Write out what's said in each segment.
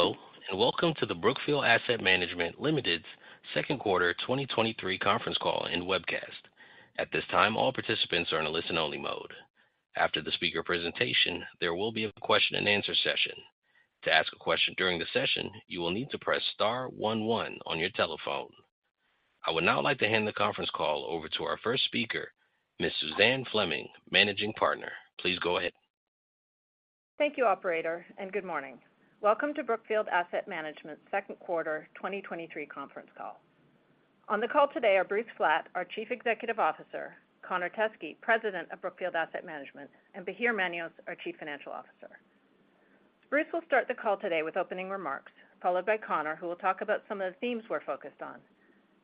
Hello, welcome to the Brookfield Asset Management Limited's second quarter 2023 conference call and webcast. At this time, all participants are in a listen-only mode. After the speaker presentation, there will be a question-and-answer session. To ask a question during the session, you will need to press star one one on your telephone. I would now like to hand the conference call over to our first speaker, Ms. Suzanne Fleming, managing partner. Please go ahead. Thank you, operator, and good morning. Welcome to Brookfield Asset Management's second quarter 2023 conference call. On the call today are Bruce Flatt, our Chief Executive Officer; Connor Teskey, President of Brookfield Asset Management; and Bahir Manios, our Chief Financial Officer. Bruce will start the call today with opening remarks, followed by Connor, who will talk about some of the themes we're focused on,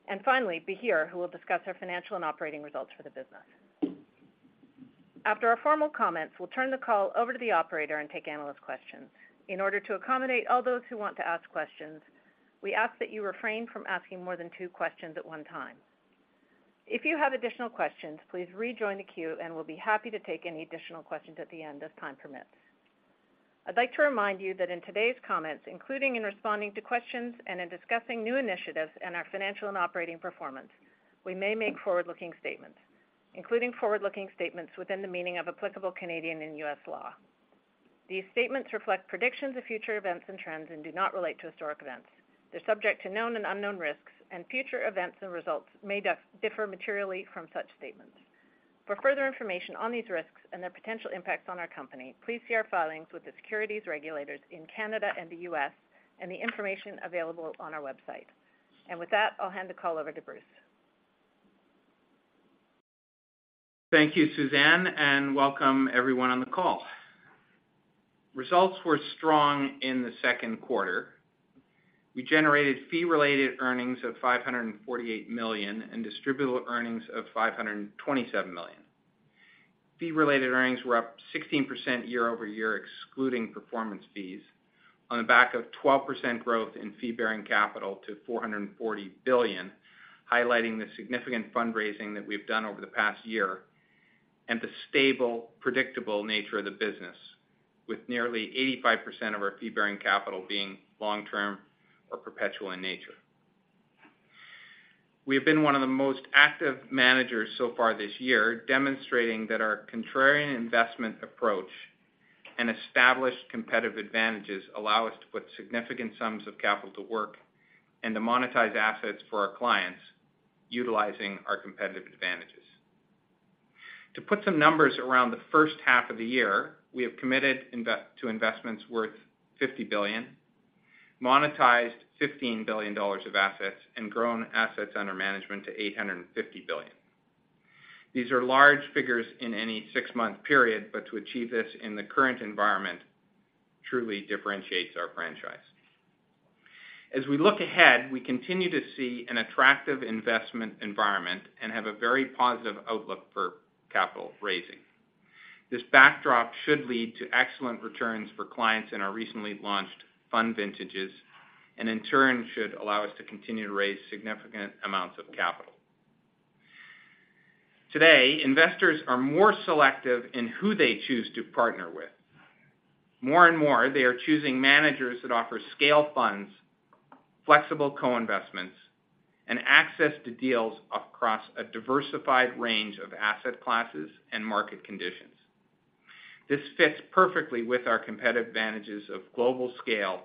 and finally, Bahir, who will discuss our financial and operating results for the business. After our formal comments, we'll turn the call over to the operator and take analyst questions. In order to accommodate all those who want to ask questions, we ask that you refrain from asking more than 2 questions at one time. If you have additional questions, please rejoin the queue, and we'll be happy to take any additional questions at the end as time permits. I'd like to remind you that in today's comments, including in responding to questions and in discussing new initiatives and our financial and operating performance, we may make forward-looking statements, including forward-looking statements within the meaning of applicable Canadian and U.S. law. These statements reflect predictions of future events and trends and do not relate to historic events. They're subject to known and unknown risks, and future events and results may differ materially from such statements. For further information on these risks and their potential impacts on our company, please see our filings with the securities regulators in Canada and the U.S. and the information available on our website. With that, I'll hand the call over to Bruce. Thank you, Suzanne, and welcome everyone on the call. Results were strong in the second quarter. We generated fee-related earnings of $548 million and distributable earnings of $527 million. Fee-related earnings were up 16% year-over-year, excluding performance fees, on the back of 12% growth in fee-bearing capital to $440 billion, highlighting the significant fundraising that we've done over the past year, and the stable, predictable nature of the business, with nearly 85% of our fee-bearing capital being long-term or perpetual in nature. We have been one of the most active managers so far this year, demonstrating that our contrarian investment approach and established competitive advantages allow us to put significant sums of capital to work and to monetize assets for our clients, utilizing our competitive advantages. To put some numbers around the first half of the year, we have committed to investments worth $50 billion, monetized $15 billion of assets, and grown assets under management to $850 billion. These are large figures in any 6-month period, but to achieve this in the current environment truly differentiates our franchise. As we look ahead, we continue to see an attractive investment environment and have a very positive outlook for capital raising. This backdrop should lead to excellent returns for clients in our recently launched fund vintages, and in turn, should allow us to continue to raise significant amounts of capital. Today, investors are more selective in who they choose to partner with. More and more, they are choosing managers that offer scale funds, flexible co-investments, and access to deals across a diversified range of asset classes and market conditions. This fits perfectly with our competitive advantages of global scale,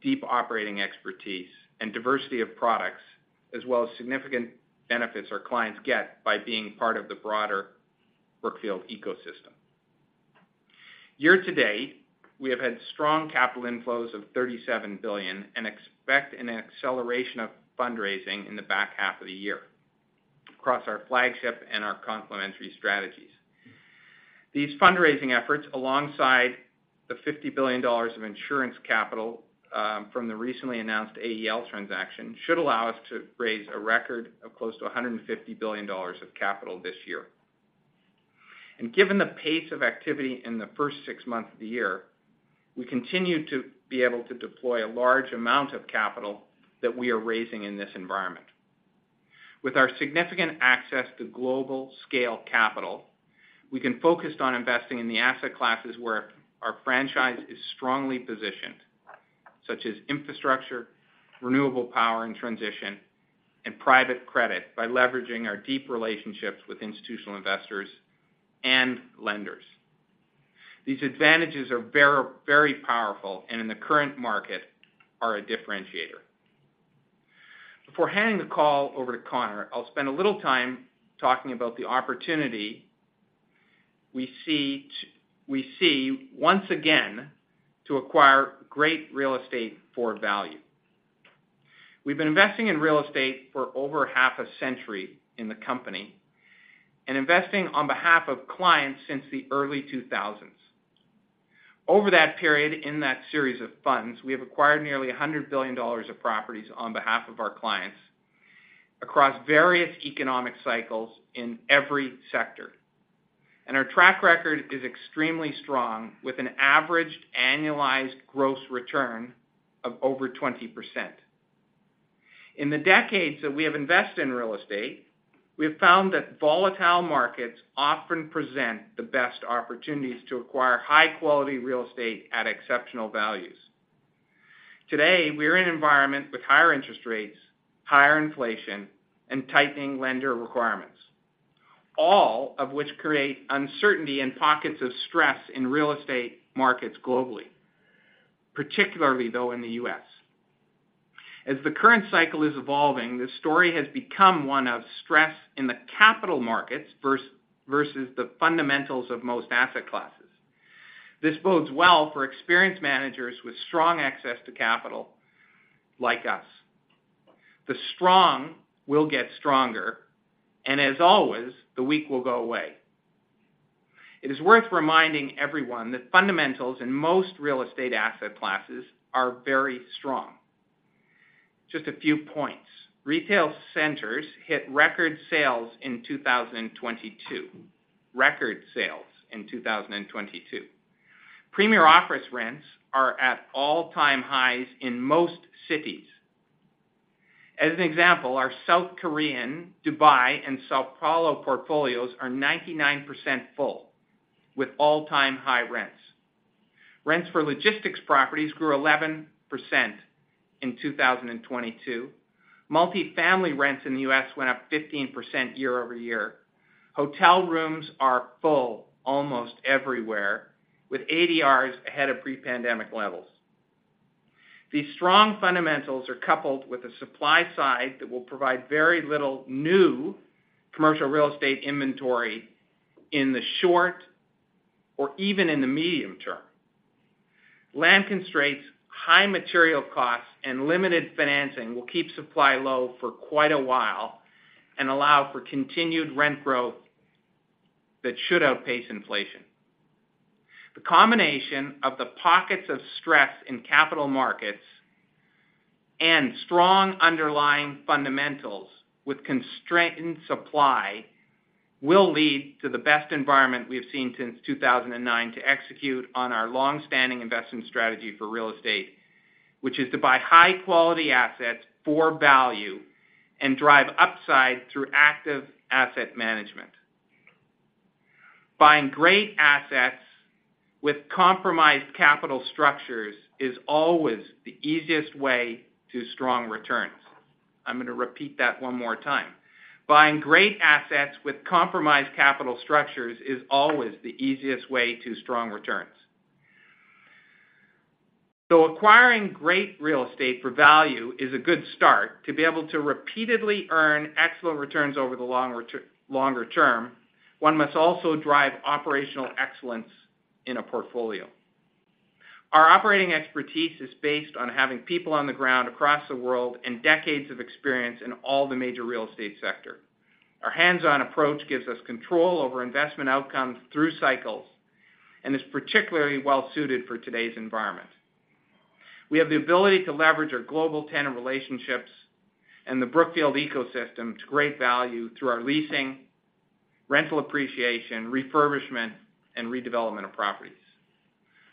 deep operating expertise, and diversity of products, as well as significant benefits our clients get by being part of the broader Brookfield ecosystem. Year to date, we have had strong capital inflows of $37 billion and expect an acceleration of fundraising in the back half of the year across our flagship and our complementary strategies. These fundraising efforts, alongside the $50 billion of insurance capital from the recently announced AEL transaction, should allow us to raise a record of close to $150 billion of capital this year. Given the pace of activity in the first six months of the year, we continue to be able to deploy a large amount of capital that we are raising in this environment. With our significant access to global scale capital, we can focus on investing in the asset classes where our franchise is strongly positioned, such as infrastructure, renewable power and transition, and private credit by leveraging our deep relationships with institutional investors and lenders. These advantages are very, very powerful and in the current market, are a differentiator. Before handing the call over to Connor, I'll spend a little time talking about the opportunity we see once again, to acquire great real estate for value. We've been investing in real estate for over half a century in the company and investing on behalf of clients since the early 2000s. Over that period, in that series of funds, we have acquired nearly $100 billion of properties on behalf of our clients across various economic cycles in every sector. Our track record is extremely strong, with an averaged annualized gross return of over 20%. In the decades that we have invested in real estate, we have found that volatile markets often present the best opportunities to acquire high-quality real estate at exceptional values. Today, we're in an environment with higher interest rates, higher inflation, and tightening lender requirements, all of which create uncertainty and pockets of stress in real estate markets globally, particularly, though, in the U.S. As the current cycle is evolving, the story has become one of stress in the capital markets versus the fundamentals of most asset classes. This bodes well for experienced managers with strong access to capital, like us. The strong will get stronger, and as always, the weak will go away. It is worth reminding everyone that fundamentals in most real estate asset classes are very strong. Just a few points: retail centers hit record sales in 2022. Record sales in 2022. Premier office rents are at all-time highs in most cities. As an example, our South Korean, Dubai, and São Paulo portfolios are 99% full, with all-time high rents. Rents for logistics properties grew 11% in 2022. Multifamily rents in the U.S. went up 15% year-over-year. Hotel rooms are full almost everywhere, with ADRs ahead of pre-pandemic levels. These strong fundamentals are coupled with a supply side that will provide very little new commercial real estate inventory in the short or even in the medium term. Land constraints, high material costs, and limited financing will keep supply low for quite a while and allow for continued rent growth that should outpace inflation. The combination of the pockets of stress in capital markets and strong underlying fundamentals with constrained supply will lead to the best environment we've seen since 2009 to execute on our long-standing investment strategy for real estate, which is to buy high-quality assets for value and drive upside through active asset management. Buying great assets with compromised capital structures is always the easiest way to strong returns. I'm going to repeat that one more time. Buying great assets with compromised capital structures is always the easiest way to strong returns. Acquiring great real estate for value is a good start. To be able to repeatedly earn excellent returns over the longer term, one must also drive operational excellence in a portfolio. Our operating expertise is based on having people on the ground across the world and decades of experience in all the major real estate sector. Our hands-on approach gives us control over investment outcomes through cycles, and is particularly well suited for today's environment. We have the ability to leverage our global tenant relationships and the Brookfield ecosystem to great value through our leasing, rental appreciation, refurbishment, and redevelopment of properties.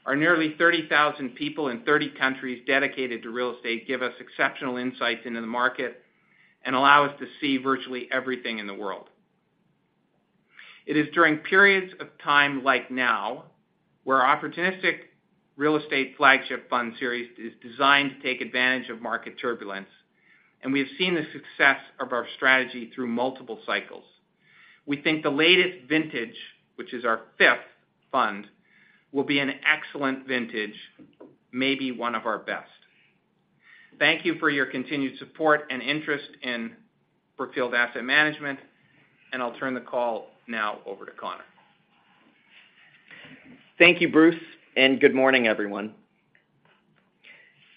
Our nearly 30,000 people in 30 countries dedicated to real estate give us exceptional insights into the market and allow us to see virtually everything in the world. It is during periods of time like now, where our opportunistic real estate flagship fund series is designed to take advantage of market turbulence, we have seen the success of our strategy through multiple cycles. We think the latest vintage, which is our fifth fund, will be an excellent vintage, maybe one of our best. Thank you for your continued support and interest in Brookfield Asset Management. I'll turn the call now over to Connor. Thank you, Bruce, and good morning, everyone.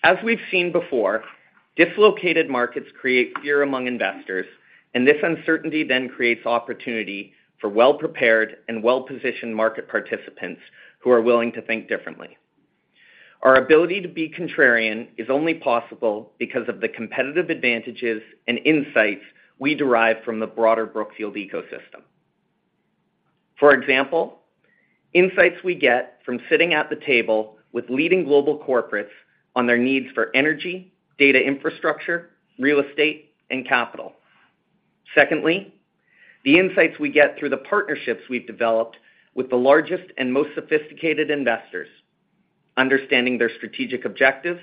As we've seen before, dislocated markets create fear among investors, and this uncertainty then creates opportunity for well-prepared and well-positioned market participants who are willing to think differently. Our ability to be contrarian is only possible because of the competitive advantages and insights we derive from the broader Brookfield ecosystem. For example, insights we get from sitting at the table with leading global corporates on their needs for energy, data infrastructure, real estate, and capital. Secondly, the insights we get through the partnerships we've developed with the largest and most sophisticated investors, understanding their strategic objectives,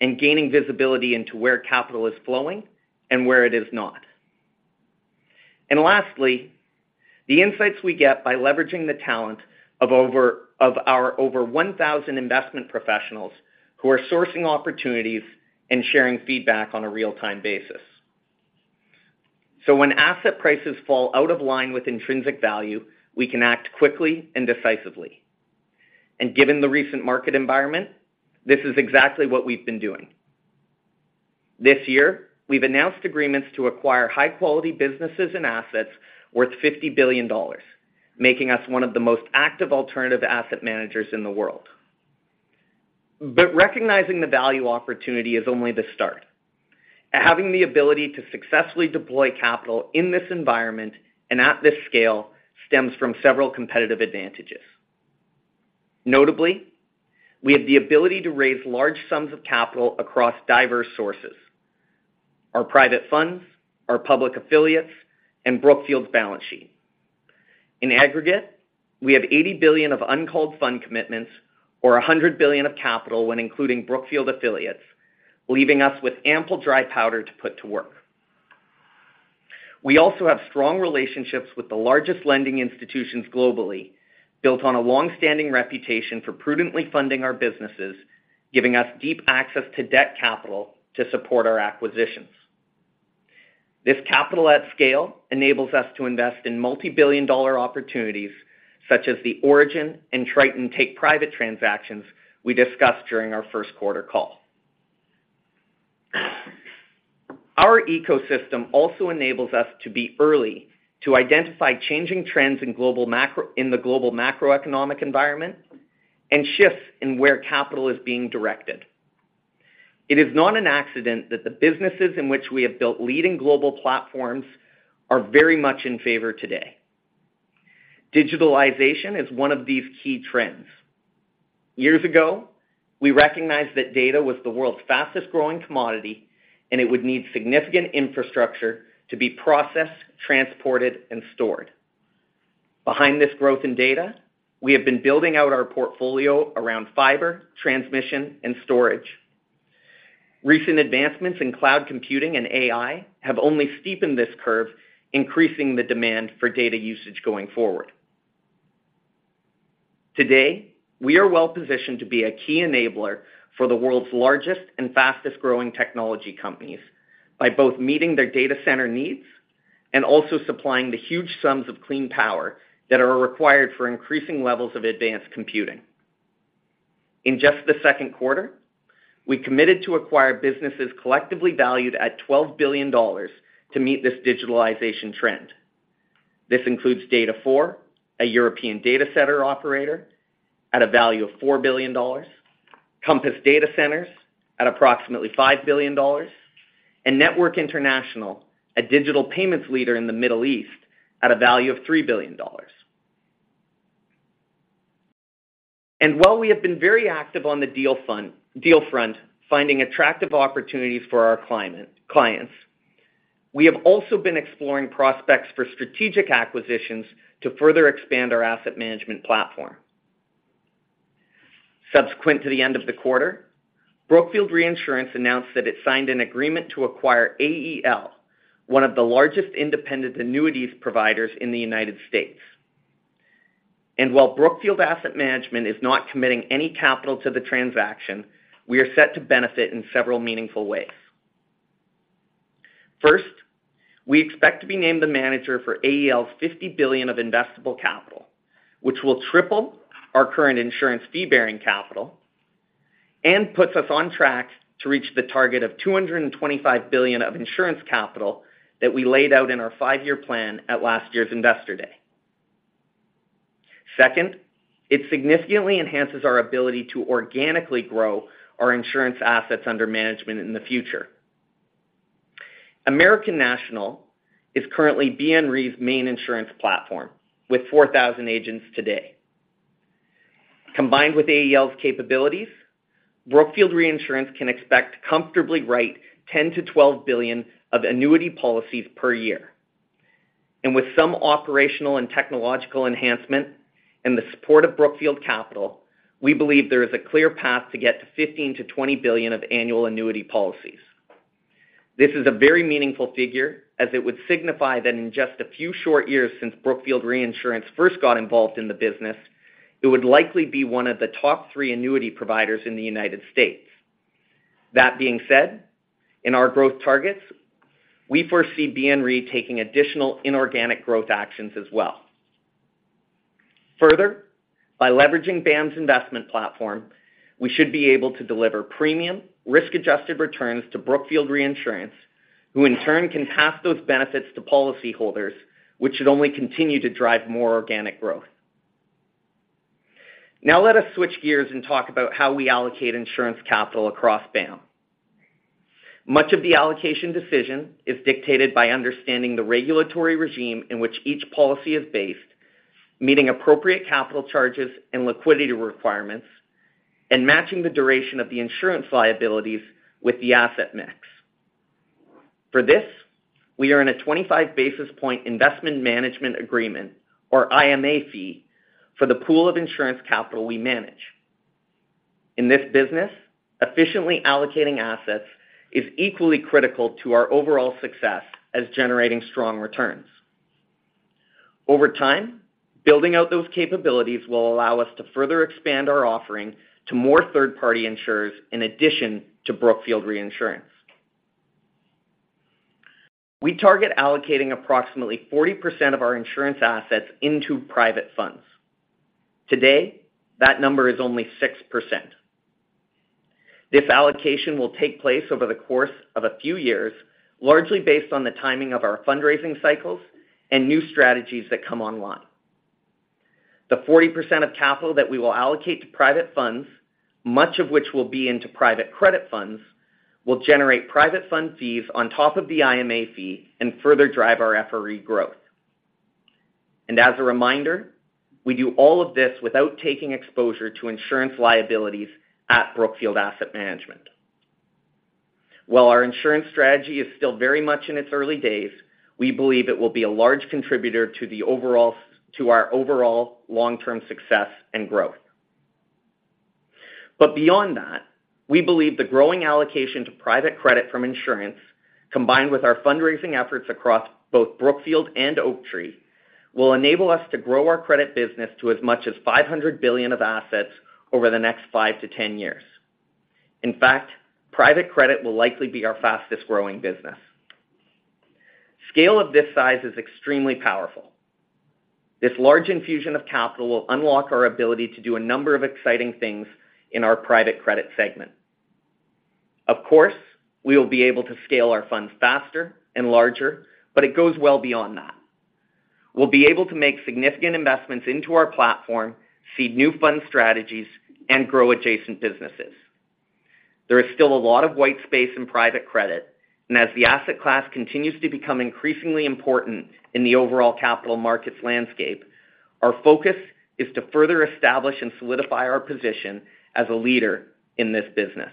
and gaining visibility into where capital is flowing and where it is not. Lastly, the insights we get by leveraging the talent of our over 1,000 investment professionals who are sourcing opportunities and sharing feedback on a real-time basis. When asset prices fall out of line with intrinsic value, we can act quickly and decisively. Given the recent market environment, this is exactly what we've been doing. This year, we've announced agreements to acquire high-quality businesses and assets worth $50 billion, making us one of the most active alternative asset managers in the world. Recognizing the value opportunity is only the start. Having the ability to successfully deploy capital in this environment and at this scale stems from several competitive advantages. Notably, we have the ability to raise large sums of capital across diverse sources: our private funds, our public affiliates, and Brookfield's balance sheet. In aggregate, we have $80 billion of uncalled fund commitments or $100 billion of capital when including Brookfield affiliates, leaving us with ample dry powder to put to work. We also have strong relationships with the largest lending institutions globally, built on a long-standing reputation for prudently funding our businesses, giving us deep access to debt capital to support our acquisitions. This capital at scale enables us to invest in multi-billion dollar opportunities, such as the Origin and Triton take-private transactions we discussed during our first quarter call. Our ecosystem also enables us to be early to identify changing trends in the global macroeconomic environment and shifts in where capital is being directed. It is not an accident that the businesses in which we have built leading global platforms are very much in favor today. Digitalization is one of these key trends. Years ago, we recognized that data was the world's fastest-growing commodity, and it would need significant infrastructure to be processed, transported, and stored. Behind this growth in data, we have been building out our portfolio around fiber, transmission, and storage. Recent advancements in cloud computing and AI have only steepened this curve, increasing the demand for data usage going forward. Today, we are well-positioned to be a key enabler for the world's largest and fastest-growing technology companies by both meeting their data center needs and also supplying the huge sums of clean power that are required for increasing levels of advanced computing. In just the second quarter, we committed to acquire businesses collectively valued at $12 billion to meet this digitalization trend. This includes Data4, a European data center operator, at a value of $4 billion, Compass Datacenters at approximately $5 billion, and Network International, a digital payments leader in the Middle East, at a value of $3 billion. While we have been very active on the deal front, finding attractive opportunities for our clients, we have also been exploring prospects for strategic acquisitions to further expand our asset management platform. Subsequent to the end of the quarter, Brookfield Reinsurance announced that it signed an agreement to acquire AEL, one of the largest independent annuities providers in the United States. While Brookfield Asset Management is not committing any capital to the transaction, we are set to benefit in several meaningful ways. First, we expect to be named the manager for AEL's $50 billion of investable capital, which will triple our current insurance fee-bearing capital and puts us on track to reach the target of $225 billion of insurance capital that we laid out in our five-year plan at last year's Investor Day. Second, it significantly enhances our ability to organically grow our insurance assets under management in the future. American National is currently BNRE's main insurance platform, with 4,000 agents today. Combined with AEL's capabilities, Brookfield Reinsurance can expect to comfortably write $10 billion-$12 billion of annuity policies per year. With some operational and technological enhancement and the support of Brookfield Capital, we believe there is a clear path to get to $15 billion-$20 billion of annual annuity policies. This is a very meaningful figure, as it would signify that in just a few short years since Brookfield Reinsurance first got involved in the business, it would likely be 1 of the top 3 annuity providers in the United States. That being said, in our growth targets, we foresee BNRE taking additional inorganic growth actions as well. Further, by leveraging BAM's investment platform, we should be able to deliver premium, risk-adjusted returns to Brookfield Reinsurance, who, in turn, can pass those benefits to policyholders, which should only continue to drive more organic growth. Now let us switch gears and talk about how we allocate insurance capital across BAM. Much of the allocation decision is dictated by understanding the regulatory regime in which each policy is based, meeting appropriate capital charges and liquidity requirements, and matching the duration of the insurance liabilities with the asset mix. For this, we are in a 25 basis point investment management agreement, or IMA fee, for the pool of insurance capital we manage. In this business, efficiently allocating assets is equally critical to our overall success as generating strong returns. Over time, building out those capabilities will allow us to further expand our offering to more third-party insurers in addition to Brookfield Reinsurance. We target allocating approximately 40% of our insurance assets into private funds. Today, that number is only 6%. This allocation will take place over the course of a few years, largely based on the timing of our fundraising cycles and new strategies that come online. The 40% of capital that we will allocate to private funds, much of which will be into private credit funds, will generate private fund fees on top of the IMA fee and further drive our FRE growth. As a reminder, we do all of this without taking exposure to insurance liabilities at Brookfield Asset Management. While our insurance strategy is still very much in its early days, we believe it will be a large contributor to our overall long-term success and growth. Beyond that, we believe the growing allocation to private credit from insurance, combined with our fundraising efforts across both Brookfield and Oaktree, will enable us to grow our credit business to as much as $500 billion of assets over the next 5 to 10 years. In fact, private credit will likely be our fastest-growing business. Scale of this size is extremely powerful. This large infusion of capital will unlock our ability to do a number of exciting things in our private credit segment. Of course, we will be able to scale our funds faster and larger, but it goes well beyond that. We'll be able to make significant investments into our platform, seed new fund strategies, and grow adjacent businesses. There is still a lot of white space in private credit, and as the asset class continues to become increasingly important in the overall capital markets landscape, our focus is to further establish and solidify our position as a leader in this business.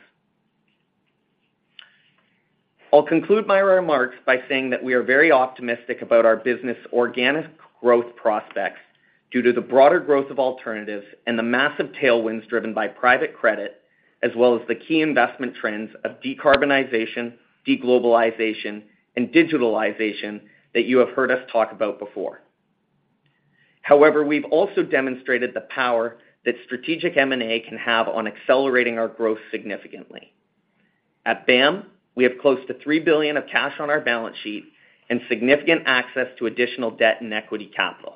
I'll conclude my remarks by saying that we are very optimistic about our business organic growth prospects due to the broader growth of alternatives and the massive tailwinds driven by private credit, as well as the key investment trends of decarbonization, deglobalization, and digitalization that you have heard us talk about before. However, we've also demonstrated the power that strategic M&A can have on accelerating our growth significantly. At BAM, we have close to $3 billion of cash on our balance sheet and significant access to additional debt and equity capital.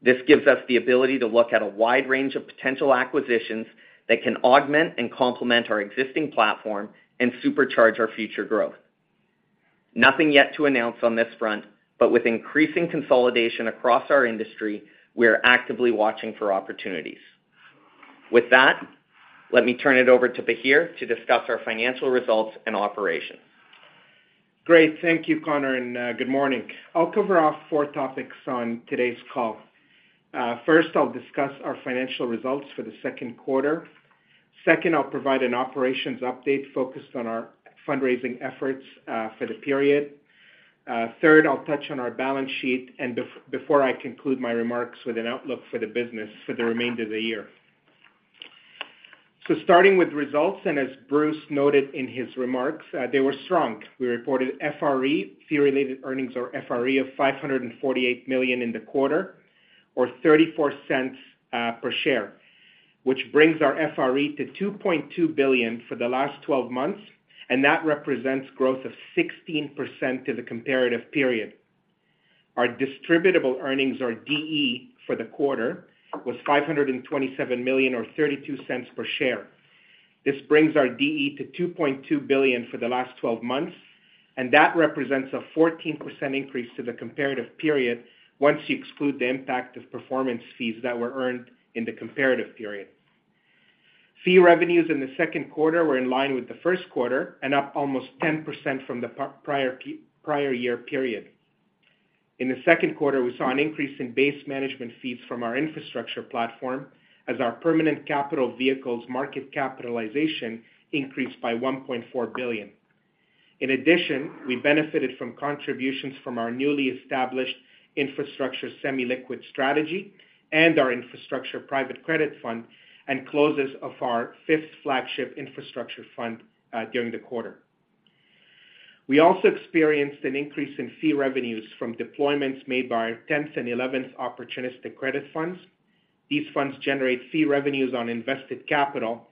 This gives us the ability to look at a wide range of potential acquisitions that can augment and complement our existing platform and supercharge our future growth. Nothing yet to announce on this front, but with increasing consolidation across our industry, we are actively watching for opportunities. With that, let me turn it over to Bahir to discuss our financial results and operations. Great. Thank you, Connor, good morning. I'll cover off 4 topics on today's call. 1st, I'll discuss our financial results for the 2nd quarter. 2nd, I'll provide an operations update focused on our fundraising efforts for the period. 3rd, I'll touch on our balance sheet, before I conclude my remarks with an outlook for the business for the remainder of the year. Starting with results, as Bruce noted in his remarks, they were strong. We reported FRE, fee-related earnings or FRE, of $548 million in the quarter, or $0.34 per share, which brings our FRE to $2.2 billion for the last 12 months, that represents growth of 16% to the comparative period. Our distributable earnings, or DE, for the quarter was $527 million, or $0.32 per share. This brings our DE to $2.2 billion for the last 12 months, and that represents a 14% increase to the comparative period once you exclude the impact of performance fees that were earned in the comparative period. Fee revenues in the second quarter were in line with the first quarter and up almost 10% from the prior year period. In the second quarter, we saw an increase in base management fees from our infrastructure platform as our permanent capital vehicles market capitalization increased by $1.4 billion. In addition, we benefited from contributions from our newly established infrastructure semi-liquid strategy and our infrastructure private credit fund, and closes of our fifth flagship infrastructure fund during the quarter. We also experienced an increase in fee revenues from deployments made by our tenth and eleventh opportunistic credit funds. These funds generate fee revenues on invested capital.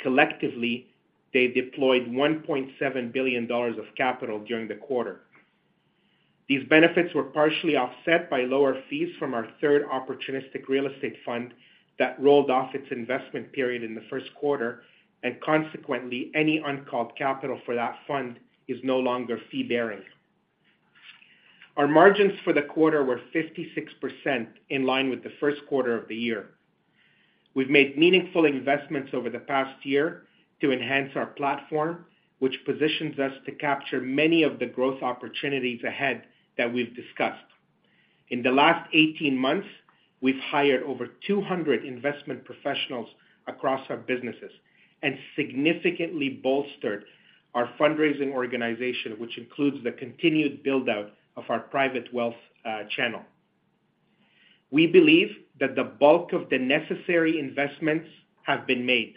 Collectively, they deployed $1.7 billion of capital during the quarter. These benefits were partially offset by lower fees from our third opportunistic real estate fund that rolled off its investment period in the first quarter. Consequently, any uncalled capital for that fund is no longer fee-bearing. Our margins for the quarter were 56%, in line with the first quarter of the year. We've made meaningful investments over the past year to enhance our platform, which positions us to capture many of the growth opportunities ahead that we've discussed. In the last 18 months, we've hired over 200 investment professionals across our businesses and significantly bolstered our fundraising organization, which includes the continued build-out of our private wealth channel. We believe that the bulk of the necessary investments have been made.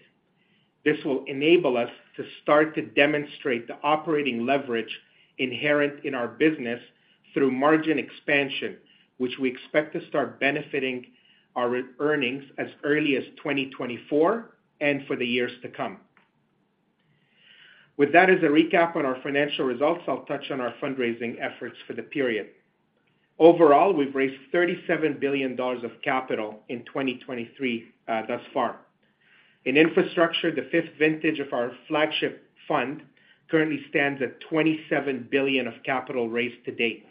This will enable us to start to demonstrate the operating leverage inherent in our business through margin expansion, which we expect to start benefiting our earnings as early as 2024 and for the years to come. With that as a recap on our financial results, I'll touch on our fundraising efforts for the period. Overall, we've raised $37 billion of capital in 2023 thus far. In infrastructure, the fifth vintage of our flagship fund currently stands at $27 billion of capital raised to date.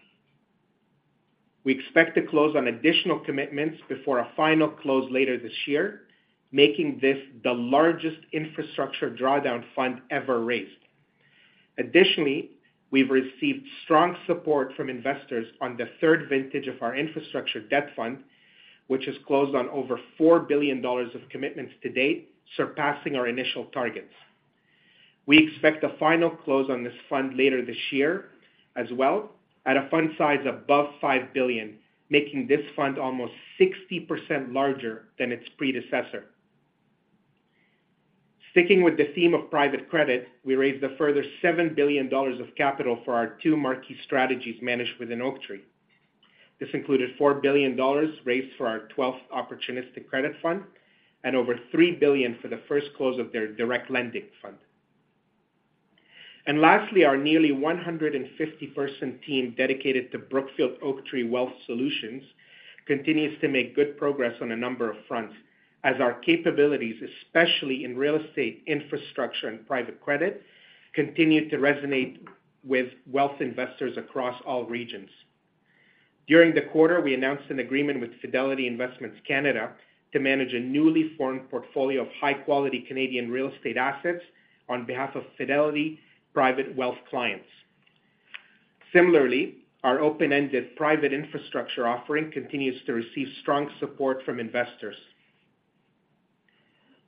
We expect to close on additional commitments before a final close later this year, making this the largest infrastructure drawdown fund ever raised. Additionally, we've received strong support from investors on the third vintage of our infrastructure debt fund, which has closed on over $4 billion of commitments to date, surpassing our initial targets. We expect a final close on this fund later this year as well, at a fund size above $5 billion, making this fund almost 60% larger than its predecessor. Sticking with the theme of private credit, we raised a further $7 billion of capital for our two marquee strategies managed within Oaktree. This included $4 billion raised for our twelfth opportunistic credit fund, and over $3 billion for the first close of their direct lending fund. Lastly, our nearly 150-person team dedicated to Brookfield Oaktree Wealth Solutions, continues to make good progress on a number of fronts, as our capabilities, especially in real estate, infrastructure, and private credit, continue to resonate with wealth investors across all regions. During the quarter, we announced an agreement with Fidelity Investments Canada, to manage a newly formed portfolio of high-quality Canadian real estate assets on behalf of Fidelity private wealth clients. Similarly, our open-ended private infrastructure offering continues to receive strong support from investors.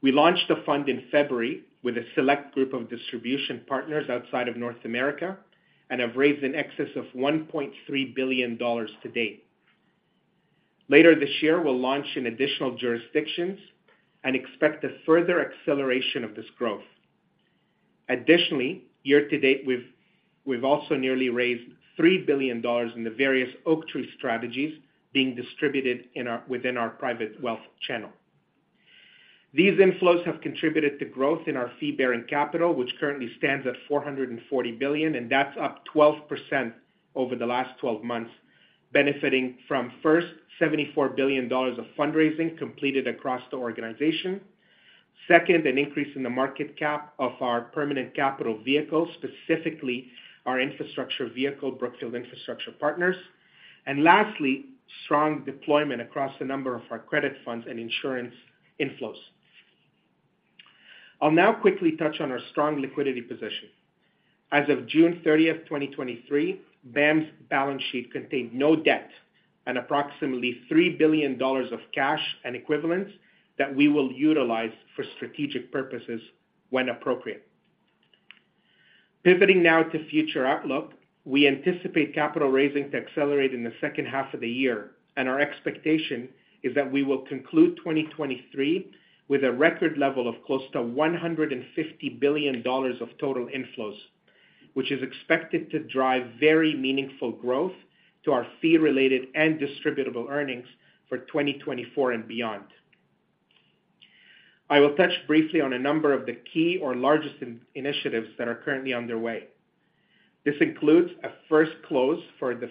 We launched a fund in February with a select group of distribution partners outside of North America, and have raised in excess of $1.3 billion to date. Later this year, we'll launch in additional jurisdictions and expect a further acceleration of this growth. Additionally, year-to-date, we've also nearly raised $3 billion in the various Oaktree strategies being distributed within our private wealth channel. These inflows have contributed to growth in our fee-bearing capital, which currently stands at $440 billion, and that's up 12% over the last 12 months, benefiting from first, $74 billion of fundraising completed across the organization. Second, an increase in the market cap of our permanent capital vehicle, specifically our infrastructure vehicle, Brookfield Infrastructure Partners. Lastly, strong deployment across a number of our credit funds and insurance inflows. I'll now quickly touch on our strong liquidity position. As of June 30, 2023, BAM's balance sheet contained no debt and approximately $3 billion of cash and equivalents that we will utilize for strategic purposes when appropriate. Pivoting now to future outlook, we anticipate capital raising to accelerate in the second half of the year. Our expectation is that we will conclude 2023 with a record level of close to $150 billion of total inflows, which is expected to drive very meaningful growth to our fee-related earnings and distributable earnings for 2024 and beyond. I will touch briefly on a number of the key or largest initiatives that are currently underway. This includes a first close for the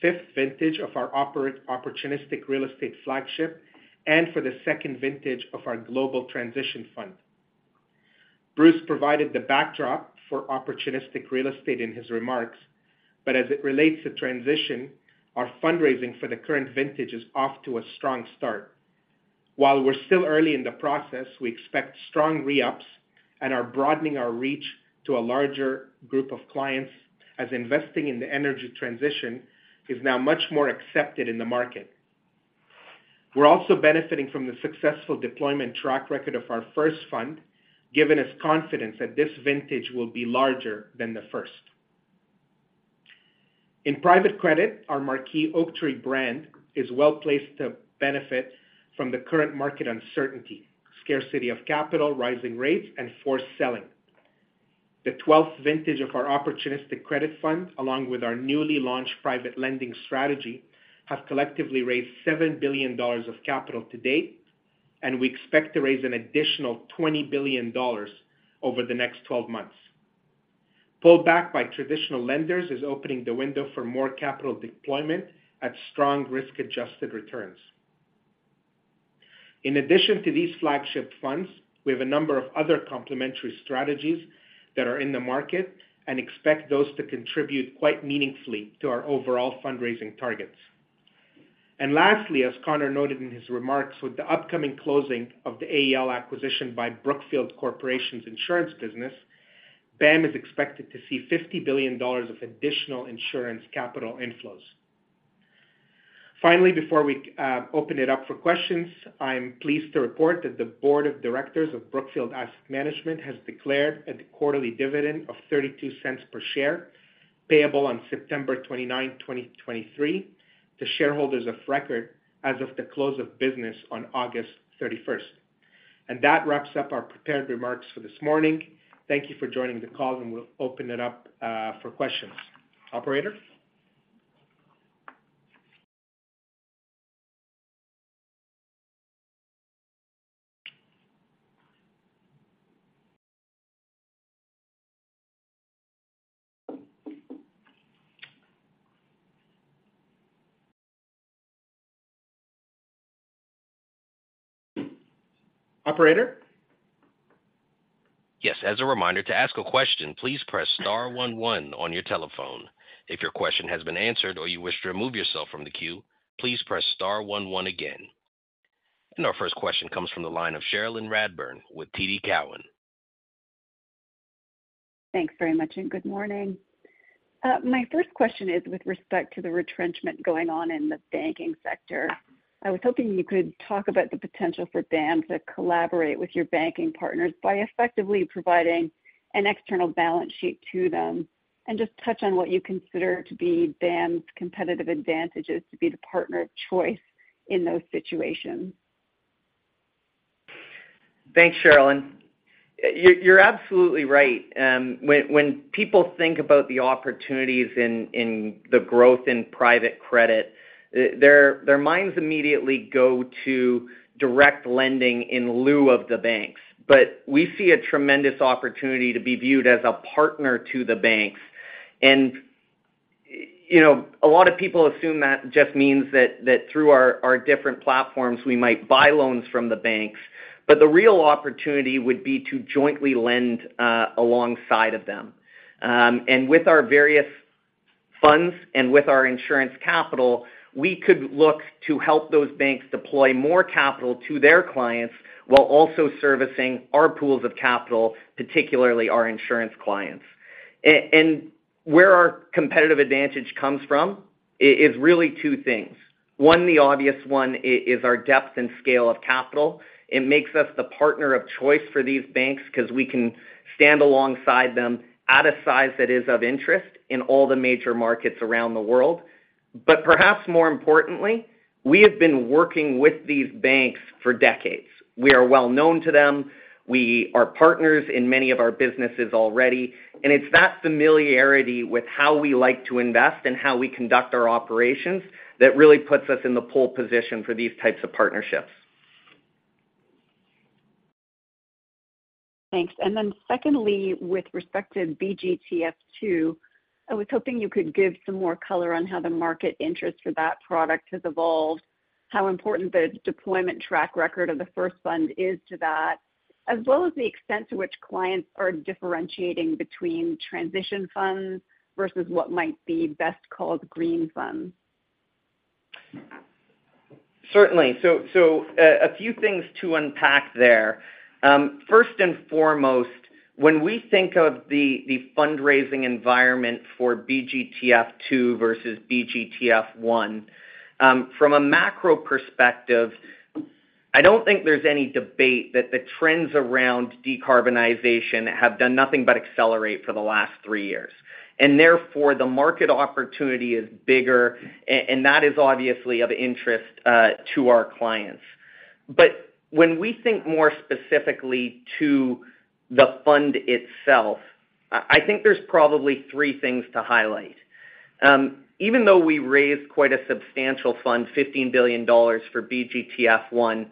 fifth vintage of our opportunistic real estate flagship, and for the second vintage of our global transition fund. Bruce provided the backdrop for opportunistic real estate in his remarks. As it relates to transition, our fundraising for the current vintage is off to a strong start. While we're still early in the process, we expect strong re-ups and are broadening our reach to a larger group of clients, as investing in the energy transition is now much more accepted in the market. We're also benefiting from the successful deployment track record of our first fund, giving us confidence that this vintage will be larger than the first. In private credit, our marquee Oaktree brand is well-placed to benefit from the current market uncertainty, scarcity of capital, rising rates, and forced selling. The 12th vintage of our opportunistic credit fund, along with our newly launched private lending strategy, have collectively raised $7 billion of capital to date, and we expect to raise an additional $20 billion over the next 12 months. Pullback by traditional lenders is opening the window for more capital deployment at strong risk-adjusted returns. In addition to these flagship funds, we have a number of other complementary strategies that are in the market and expect those to contribute quite meaningfully to our overall fundraising targets. Lastly, as Connor noted in his remarks, with the upcoming closing of the AEL acquisition by Brookfield Corporation's insurance business, BAM is expected to see $50 billion of additional insurance capital inflows. Finally, before we open it up for questions, I am pleased to report that the board of directors of Brookfield Asset Management has declared a quarterly dividend of $0.32 per share, payable on September 29, 2023 to shareholders of record as of the close of business on August 31st. That wraps up our prepared remarks for this morning. Thank you for joining the call, and we'll open it up for questions. Operator? Operator? Yes. As a reminder, to ask a question, please press star one one on your telephone. If your question has been answered or you wish to remove yourself from the queue, please press star one one again. Our first question comes from the line of Cherilyn Radbourne with TD Cowen. Thanks very much, good morning. My first question is with respect to the retrenchment going on in the banking sector. I was hoping you could talk about the potential for BAM to collaborate with your banking partners by effectively providing an external balance sheet to them, and just touch on what you consider to be BAM's competitive advantages to be the partner of choice in those situations. Thanks, Cherilyn. You, you're absolutely right. When people think about the opportunities in the growth in private credit, their minds immediately go to direct lending in lieu of the banks. We see a tremendous opportunity to be viewed as a partner to the banks. You know, a lot of people assume that just means that through our different platforms, we might buy loans from the banks, but the real opportunity would be to jointly lend alongside of them. With our various funds and with our insurance capital, we could look to help those banks deploy more capital to their clients while also servicing our pools of capital, particularly our insurance clients. Where our competitive advantage comes from is really two things. One, the obvious one, is our depth and scale of capital. It makes us the partner of choice for these banks because we can stand alongside them at a size that is of interest in all the major markets around the world. Perhaps more importantly, we have been working with these banks for decades. We are well known to them. We are partners in many of our businesses already, and it's that familiarity with how we like to invest and how we conduct our operations that really puts us in the pole position for these types of partnerships. Thanks. Then secondly, with respect to BGTF II, I was hoping you could give some more color on how the market interest for that product has evolved, how important the deployment track record of the first fund is to that, as well as the extent to which clients are differentiating between transition funds versus what might be best called green funds. Certainly. A few things to unpack there. First and foremost, when we think of the fundraising environment for BGTF II versus BGTF I, from a macro perspective, I don't think there's any debate that the trends around decarbonization have done nothing but accelerate for the last three years, and therefore, the market opportunity is bigger. That is obviously of interest to our clients. When we think more specifically to the fund itself, I think there's probably three things to highlight. Even though we raised quite a substantial fund, $15 billion for BGTF I,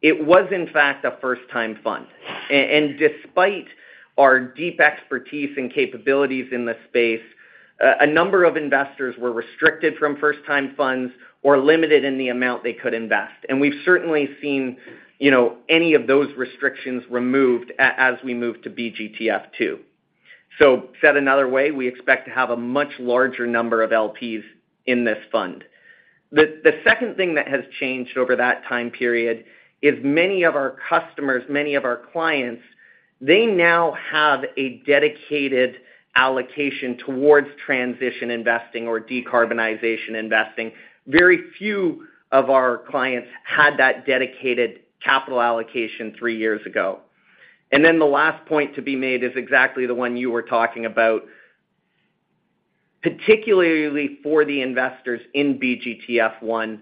it was in fact a first-time fund. Despite our deep expertise and capabilities in the space, a number of investors were restricted from first-time funds or limited in the amount they could invest. We've certainly seen, you know, any of those restrictions removed as we move to BGTF II. Said another way, we expect to have a much larger number of LPs in this fund. The second thing that has changed over that time period is many of our customers, many of our clients, they now have a dedicated allocation towards transition investing or decarbonization investing. Very few of our clients had that dedicated capital allocation 3 years ago. The last point to be made is exactly the one you were talking about, particularly for the investors in BGTF I.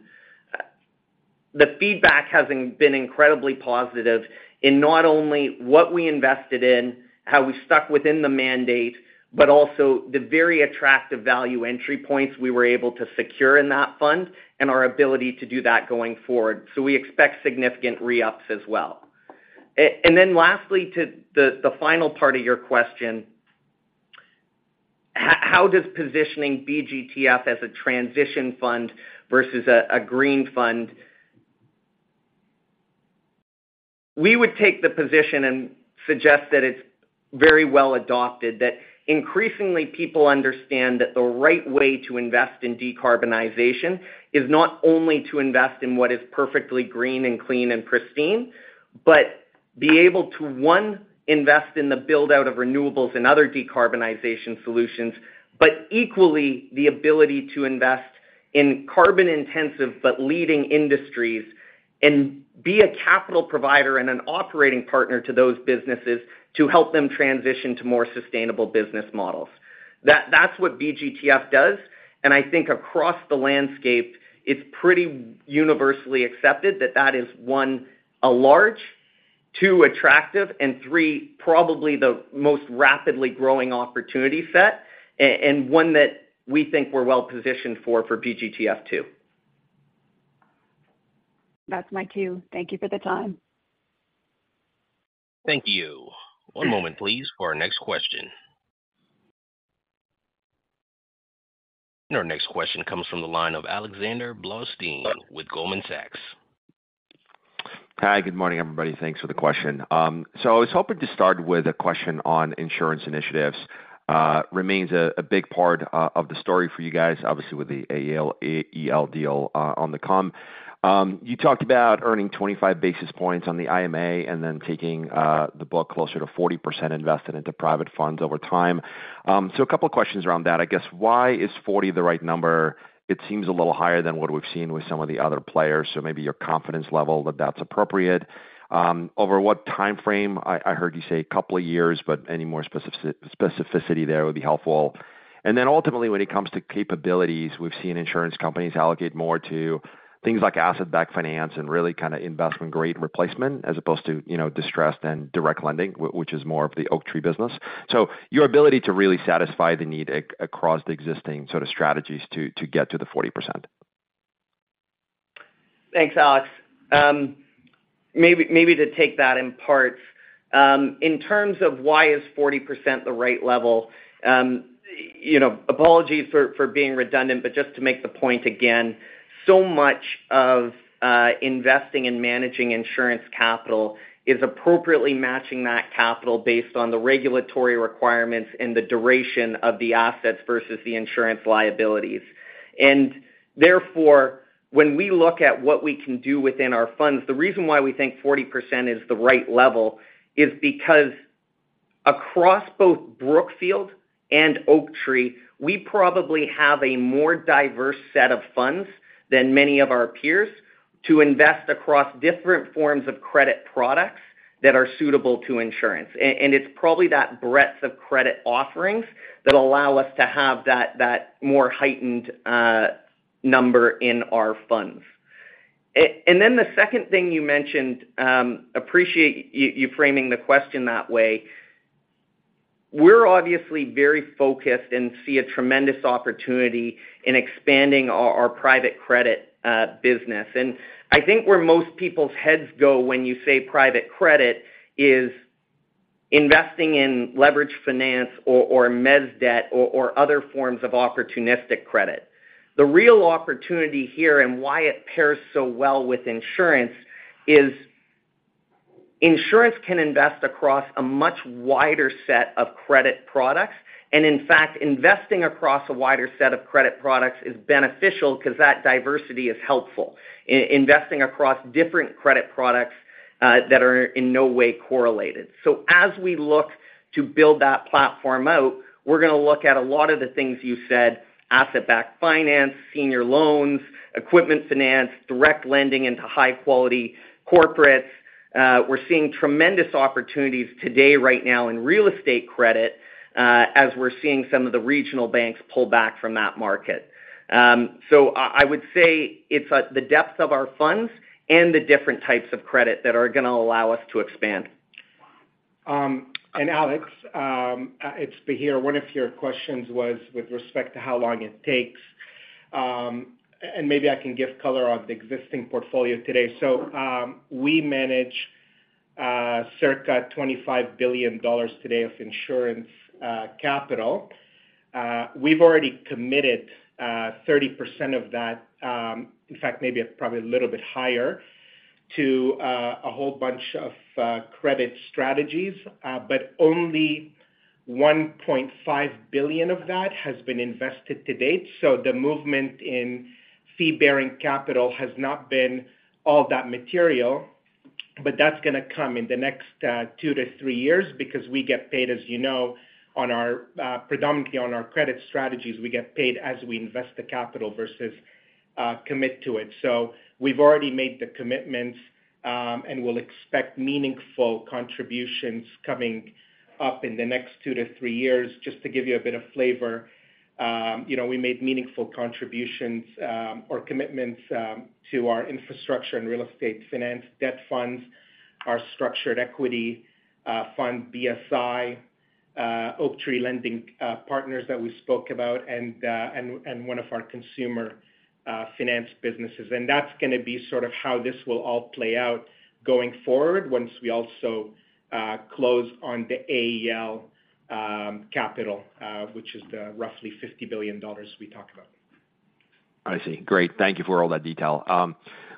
The feedback has been incredibly positive in not only what we invested in, how we stuck within the mandate, but also the very attractive value entry points we were able to secure in that fund and our ability to do that going forward. We expect significant re-ups as well. Then lastly, to the final part of your question, how does positioning BGTF as a transition fund versus a green fund? We would take the position and suggest that it's very well adopted, that increasingly people understand that the right way to invest in decarbonization is not only to invest in what is perfectly green and clean and pristine, but be able to, one, invest in the build-out of renewables and other decarbonization solutions, but equally, the ability to invest in carbon-intensive but leading industries and be a capital provider and an operating partner to those businesses to help them transition to more sustainable business models. That's what BGTF does, and I think across the landscape, it's pretty universally accepted that that is, one, a large, two, attractive, and three, probably the most rapidly growing opportunity set, and one that we think we're well positioned for, for BGTF II. That's my cue. Thank you for the time. Thank you. One moment, please, for our next question. Our next question comes from the line of Alexander Blostein with Goldman Sachs. Hi, good morning, everybody. Thanks for the question. I was hoping to start with a question on insurance initiatives. remains a big part of the story for you guys, obviously with the AEL deal on the come. You talked about earning 25 basis points on the IMA and then taking the book closer to 40% invested into private funds over time. A couple of questions around that. I guess, why is 40 the right number? It seems a little higher than what we've seen with some of the other players, so maybe your confidence level that that's appropriate. Over what time frame? I heard you say a couple of years, but any more specificity there would be helpful. Ultimately, when it comes to capabilities, we've seen insurance companies allocate more to things like asset-backed finance and really kind of investment-grade replacement, as opposed to, you know, distressed and direct lending, which is more of the Oaktree business. Your ability to really satisfy the need across the existing sort of strategies to, to get to the 40%. Thanks, Alex. Maybe, maybe to take that in parts. In terms of why is 40% the right level, you know, apologies for, for being redundant, but just to make the point again, so much of investing and managing insurance capital is appropriately matching that capital based on the regulatory requirements and the duration of the assets versus the insurance liabilities. Therefore, when we look at what we can do within our funds, the reason why we think 40% is the right level is because across both Brookfield and Oaktree, we probably have a more diverse set of funds than many of our peers to invest across different forms of credit products that are suitable to insurance. It's probably that breadth of credit offerings that allow us to have that, that more heightened number in our funds. A- and then the second thing you mentioned, appreciate you, you framing the question that way. We're obviously very focused and see a tremendous opportunity in expanding our, our private credit business. I think where most people's heads go when you say private credit is investing in leverage finance or, or mez debt or, or other forms of opportunistic credit. The real opportunity here and why it pairs so well with insurance is insurance can invest across a much wider set of credit products, and in fact, investing across a wider set of credit products is beneficial 'cause that diversity is helpful in investing across different credit products that are in no way correlated. As we look to build that platform out, we're gonna look at a lot of the things you said: asset-backed finance, senior loans, equipment finance, direct lending into high-quality corporates. We're seeing tremendous opportunities today right now in real estate credit, as we're seeing some of the regional banks pull back from that market. I would say it's the depth of our funds and the different types of credit that are gonna allow us to expand. Alex, it's Bahir. One of your questions was with respect to how long it takes, and maybe I can give color on the existing portfolio today. We manage circa $25 billion today of insurance capital. We've already committed 30% of that, in fact, maybe probably a little bit higher, to a whole bunch of credit strategies, but only $1.5 billion of that has been invested to date. The movement in fee-bearing capital has not been all that material, but that's gonna come in the next 2-3 years because we get paid, as you know, on our predominantly on our credit strategies, we get paid as we invest the capital versus commit to it. We've already made the commitments, and we'll expect meaningful contributions coming up in the next two to three years. Just to give you a bit of flavor, you know, we made meaningful contributions, or commitments, to our infrastructure and real estate finance debt funds, our structured equity fund, BSI, Oaktree Lending Partners that we spoke about, and one of our consumer finance businesses. That's gonna be sort of how this will all play out going forward once we also close on the AEL capital, which is the roughly $50 billion we talked about. I see. Great. Thank you for all that detail.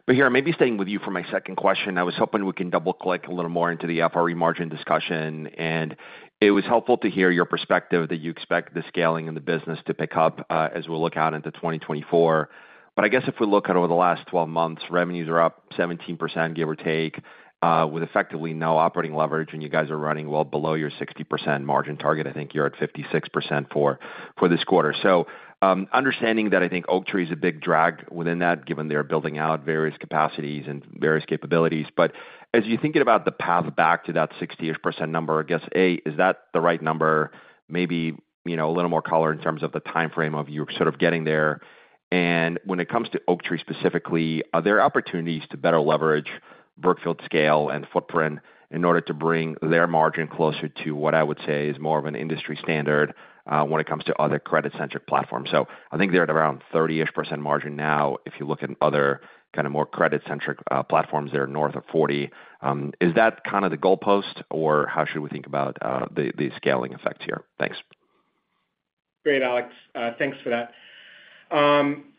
Bahir, maybe staying with you for my second question. I was hoping we can double-click a little more into the FRE margin discussion, and it was helpful to hear your perspective that you expect the scaling in the business to pick up as we look out into 2024. I guess if we look at over the last 12 months, revenues are up 17%, give or take, with effectively no operating leverage, and you guys are running well below your 60% margin target. I think you're at 56% for this quarter. Understanding that, I think Oaktree is a big drag within that, given they're building out various capacities and various capabilities. As you think about the path back to that 60%-ish number, I guess, A, is that the right number? Maybe, you know, a little more color in terms of the timeframe of you sort of getting there. When it comes to Oaktree specifically, are there opportunities to better leverage Brookfield's scale and footprint in order to bring their margin closer to what I would say is more of an industry standard when it comes to other credit-centric platforms? I think they're at around 30%-ish margin now. If you look at other kind of more credit-centric platforms, they're north of 40. Is that kind of the goalpost, or how should we think about the scaling effect here? Thanks. Great, Alex, thanks for that.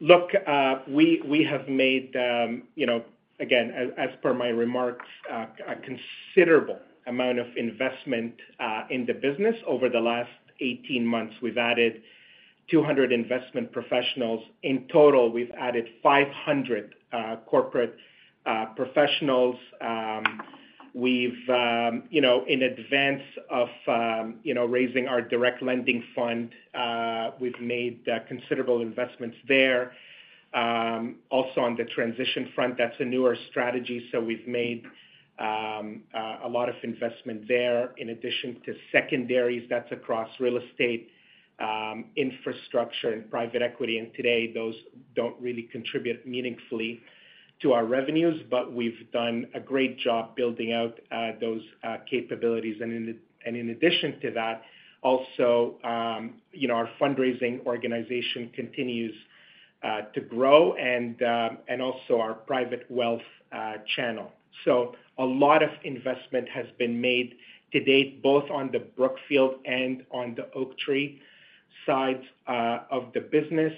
Look, we, we have made, you know, again, as, as per my remarks, a considerable amount of investment in the business over the last 18 months. We've added 200 investment professionals. In total, we've added 500 corporate professionals. We've, you know, in advance of, you know, raising our direct lending fund, we've made considerable investments there. Also on the transition front, that's a newer strategy, so we've made a lot of investment there in addition to secondaries, that's across real estate, infrastructure and private equity. Today, those don't really contribute meaningfully to our revenues, but we've done a great job building out those capabilities. In addition to that, also, you know, our fundraising organization continues to grow and also our private wealth channel. A lot of investment has been made to date, both on the Brookfield and on the Oaktree sides of the business.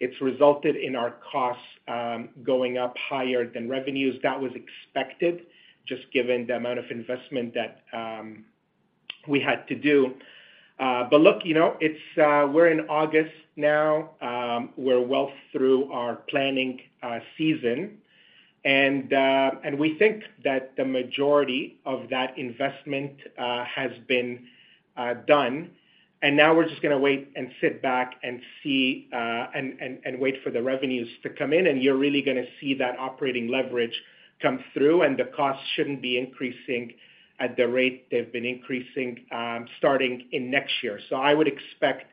It's resulted in our costs going up higher than revenues. That was expected, just given the amount of investment that we had to do. Look, you know, it's. We're in August now, we're well through our planning season, and we think that the majority of that investment has been done. Now we're just gonna wait and sit back and see, and, and, and wait for the revenues to come in, and you're really gonna see that operating leverage come through, and the costs shouldn't be increasing at the rate they've been increasing, starting in next year. I would expect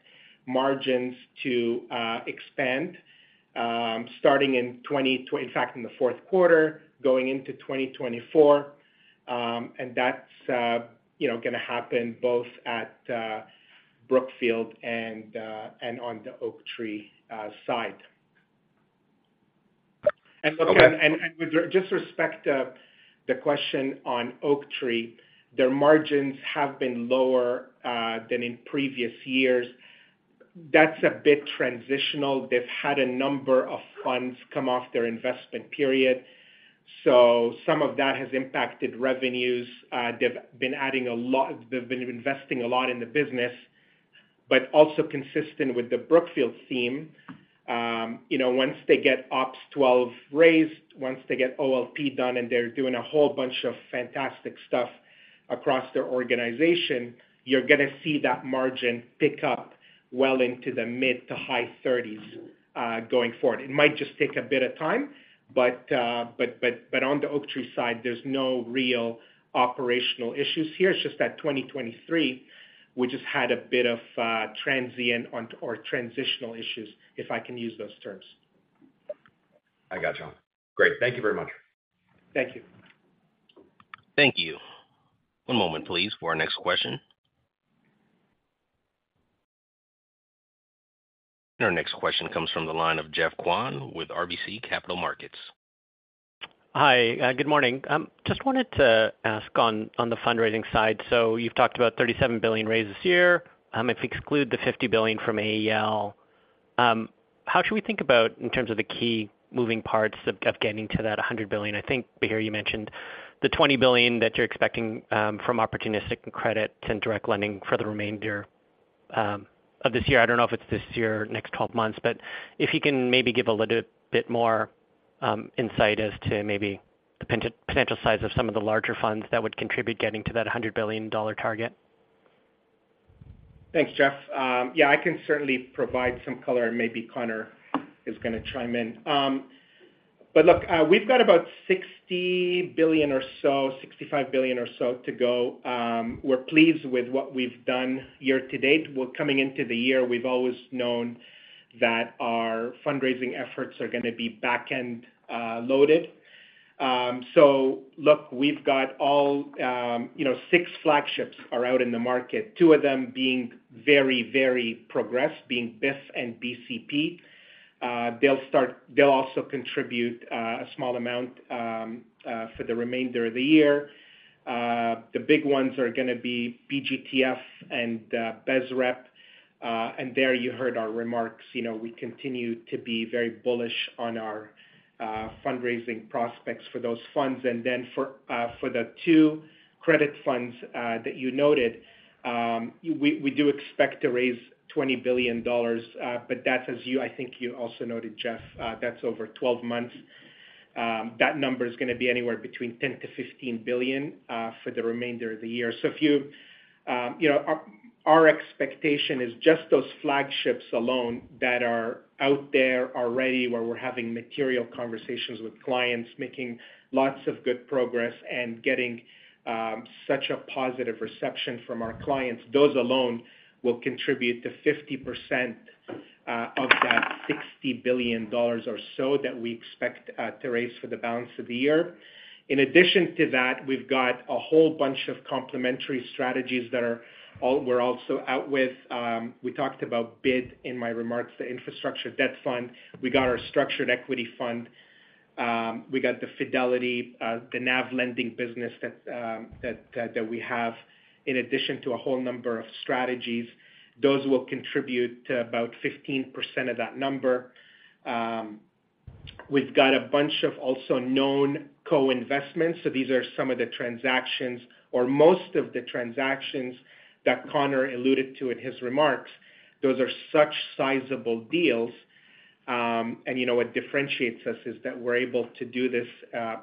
margins to expand, starting in fact, in the fourth quarter, going into 2024. That's, you know, gonna happen both at Brookfield and on the Oaktree side. Okay- With just with respect to the question on Oaktree, their margins have been lower than in previous years. That's a bit transitional. They've had a number of funds come off their investment period, so some of that has impacted revenues. They've been adding a lot-- they've been investing a lot in the business, but also consistent with the Brookfield theme, you know, once they get Opps XII raised, once they get OLP done, and they're doing a whole bunch of fantastic stuff across their organization, you're gonna see that margin pick up well into the mid to high thirties going forward. It might just take a bit of time, but on the Oaktree side, there's no real operational issues here. It's just that 2023, we just had a bit of, transient on or transitional issues, if I can use those terms. I got you. Great. Thank you very much. Thank you. Thank you. One moment, please, for our next question. Our next question comes from the line of Geoff Kwan with RBC Capital Markets. Hi, good morning. Just wanted to ask on, on the fundraising side. You've talked about $37 billion raised this year. If we exclude the $50 billion from AEL, how should we think about in terms of the key moving parts of, of getting to that $100 billion? I think, Bahir, you mentioned the $20 billion that you're expecting from opportunistic credit and direct lending for the remainder of this year. I don't know if it's this year or next 12 months, but if you can maybe give a little bit more insight as to maybe the potential size of some of the larger funds that would contribute getting to that $100 billion target. Thanks, Geoff Kwan. Yeah, I can certainly provide some color, and maybe Connor Teskey is gonna chime in. Look, we've got about $60 billion or so, $65 billion or so to go. We're pleased with what we've done year to date. We're coming into the year, we've always known that our fundraising efforts are gonna be back end, loaded. Look, we've got all, you know, 6 flagships are out in the market, two of them being very, very progressed, being BIF and BCP. They'll also contribute a small amount for the remainder of the year. The big ones are gonna be BGTF and BSREP. There you heard our remarks. You know, we continue to be very bullish on our fundraising prospects for those funds. For the two credit funds that you noted, we do expect to raise $20 billion, but that's as you, I think you also noted, Geoff, that's over 12 months. That number is gonna be anywhere between $10 billion-$15 billion for the remainder of the year. If you, you know, our expectation is just those flagships alone that are out there already, where we're having material conversations with clients, making lots of good progress, and getting such a positive reception from our clients. Those alone will contribute to 50% of that $60 billion or so that we expect to raise for the balance of the year. In addition to that, we've got a whole bunch of complementary strategies that we're also out with. We talked about BID in my remarks, the Infrastructure Debt Fund. We got our structured equity fund.... We got the Fidelity, the NAV lending business that we have, in addition to a whole number of strategies. Those will contribute to about 15% of that number. We've got a bunch of also known co-investments. These are some of the transactions or most of the transactions that Connor alluded to in his remarks. Those are such sizable deals. You know, what differentiates us is that we're able to do this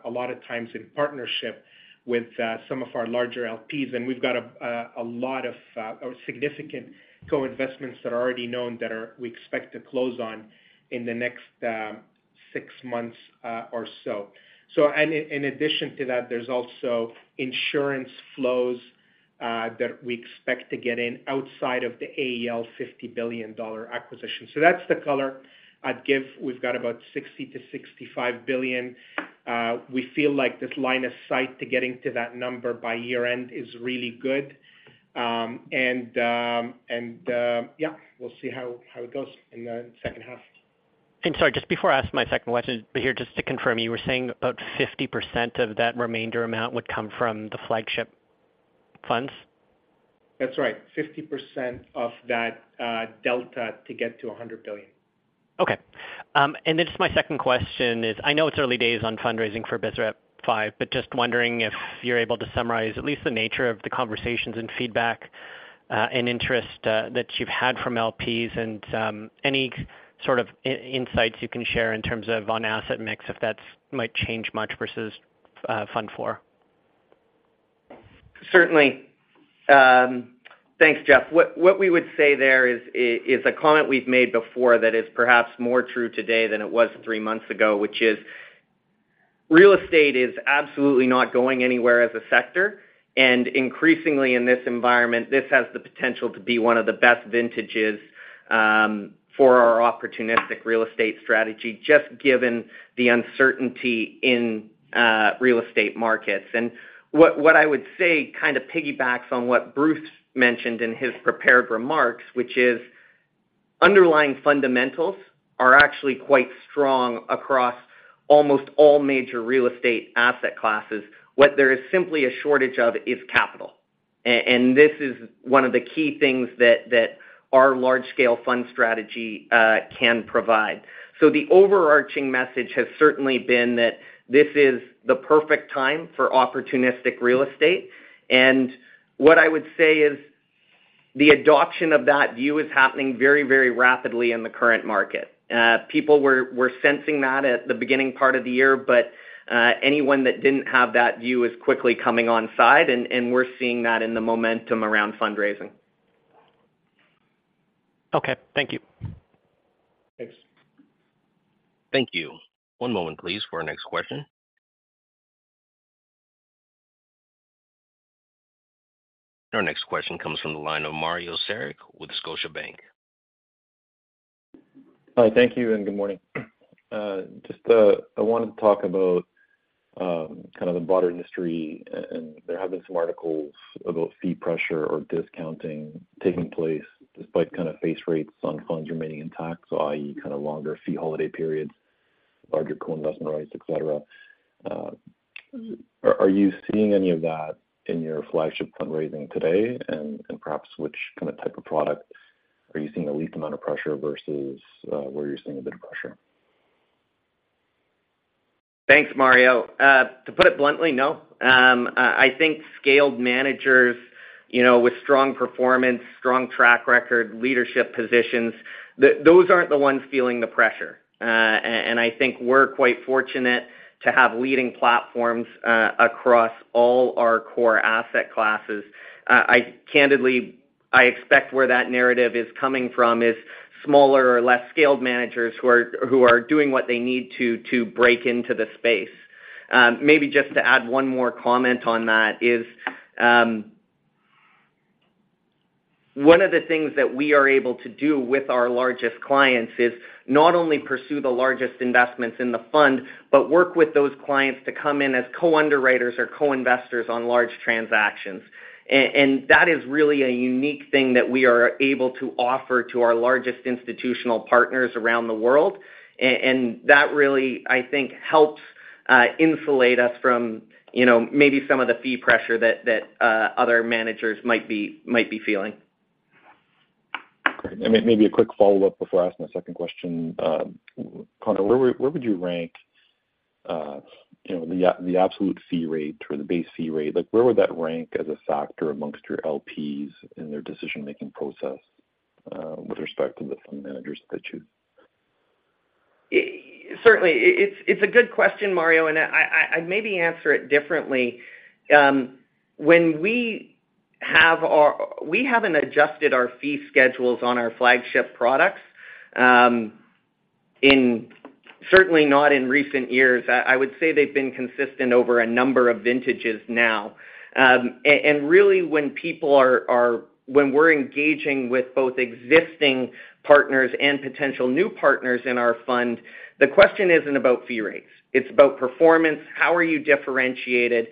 a lot of times in partnership with some of our larger LPs, and we've got a lot of or significant co-investments that are already known that we expect to close on in the next 6 months or so. And in, in addition to that, there's also insurance flows that we expect to get in outside of the AEL $50 billion acquisition. That's the color I'd give. We've got about $60 billion-$65 billion. We feel like this line of sight to getting to that number by year-end is really good. And yeah, we'll see how, how it goes in the second half. Sorry, just before I ask my second question, Bahir, just to confirm, you were saying about 50% of that remainder amount would come from the flagship funds? That's right. 50% of that delta to get to $100 billion. Okay. Just my second question is: I know it's early days on fundraising for BSREP V, but just wondering if you're able to summarize at least the nature of the conversations and feedback, and interest, that you've had from LPs, and any sort of insights you can share in terms of on asset mix, if that's might change much versus, fund 4. Certainly. Thanks, Jeff. What we would say there is a comment we've made before that is perhaps more true today than it was three months ago, which is real estate is absolutely not going anywhere as a sector, and increasingly in this environment, this has the potential to be one of the best vintages for our opportunistic real estate strategy, just given the uncertainty in real estate markets. What I would say kind of piggybacks on what Bruce mentioned in his prepared remarks, which is underlying fundamentals are actually quite strong across almost all major real estate asset classes. What there is simply a shortage of is capital. This is one of the key things that our large-scale fund strategy can provide. The overarching message has certainly been that this is the perfect time for opportunistic real estate, and what I would say is the adoption of that view is happening very, very rapidly in the current market. People were sensing that at the beginning part of the year, but anyone that didn't have that view is quickly coming on side, and we're seeing that in the momentum around fundraising. Okay, thank you. Thanks. Thank you. One moment, please, for our next question. Our next question comes from the line of Mario Saric with Scotiabank. Hi, thank you, and good morning. Just, I wanted to talk about kind of the broader industry, and there have been some articles about fee pressure or discounting taking place, despite kind of face rates on funds remaining intact, so i.e., kind of longer fee holiday periods, larger co-investment rights, et cetera. Are you seeing any of that in your flagship fundraising today? And perhaps which kind of type of product are you seeing the least amount of pressure versus where you're seeing a bit of pressure? Thanks, Mario. To put it bluntly, no. I think scaled managers, you know, with strong performance, strong track record, leadership positions, those aren't the ones feeling the pressure. I think we're quite fortunate to have leading platforms across all our core asset classes. I candidly expect where that narrative is coming from is smaller or less scaled managers who are doing what they need to, to break into the space. Maybe just to add one more comment on that is, one of the things that we are able to do with our largest clients is not only pursue the largest investments in the fund, but work with those clients to come in as co-underwriters or co-investors on large transactions. That is really a unique thing that we are able to offer to our largest institutional partners around the world. That really, I think, helps insulate us from, you know, maybe some of the fee pressure that other managers might be, might be feeling. Great. May-maybe a quick follow-up before I ask my second question. Connor, where would, where would you rank, you know, the absolute fee rate or the base fee rate? Like, where would that rank as a factor amongst your LPs in their decision-making process with respect to the fund managers that you choose? Certainly, it's a good question, Mario, and I'd maybe answer it differently. When we have our-- we haven't adjusted our fee schedules on our flagship products, in certainly not in recent years. I would say they've been consistent over a number of vintages now. Really. when people are, when we're engaging with both existing partners and potential new partners in our fund, the question isn't about fee rates, it's about performance. How are you differentiated?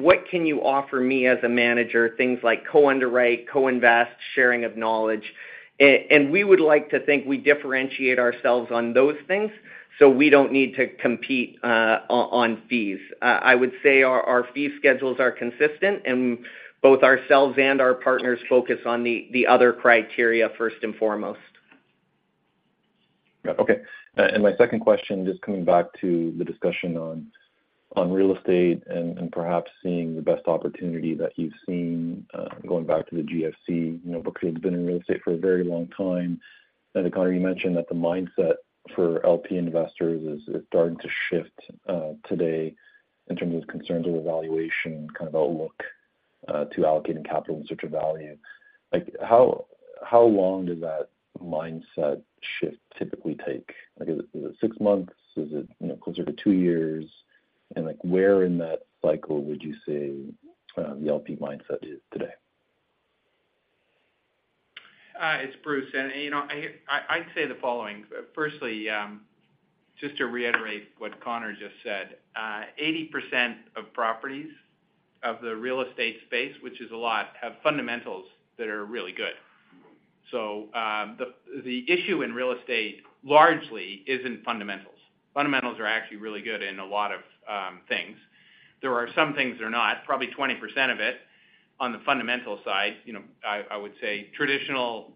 What can you offer me as a manager? Things like co-underwrite, co-invest, sharing of knowledge. We would like to think we differentiate ourselves on those things, so we don't need to compete on fees. I would say our, our fee schedules are consistent, and both ourselves and our partners focus on the, the other criteria, first and foremost. Yeah, okay. My second question, just coming back to the discussion on, on real estate and, and perhaps seeing the best opportunity that you've seen, going back to the GFC, you know, because you've been in real estate for a very long time. Connor, you mentioned that the mindset for LP investors is, is starting to shift today in terms of concerns over valuation and kind of outlook to allocating capital in search of value. Like, how, how long does that mindset shift typically take? Like, is it, is it six months? Is it, you know, closer to two years? Like, where in that cycle would you say the LP mindset is today? It's Bruce, you know, I'd say the following. Firstly, just to reiterate what Connor just said, 80% of properties of the real estate space, which is a lot, have fundamentals that are really good. The issue in real estate largely isn't fundamentals. Fundamentals are actually really good in a lot of things. There are some things that are not, probably 20% of it. On the fundamental side, you know, I would say traditional,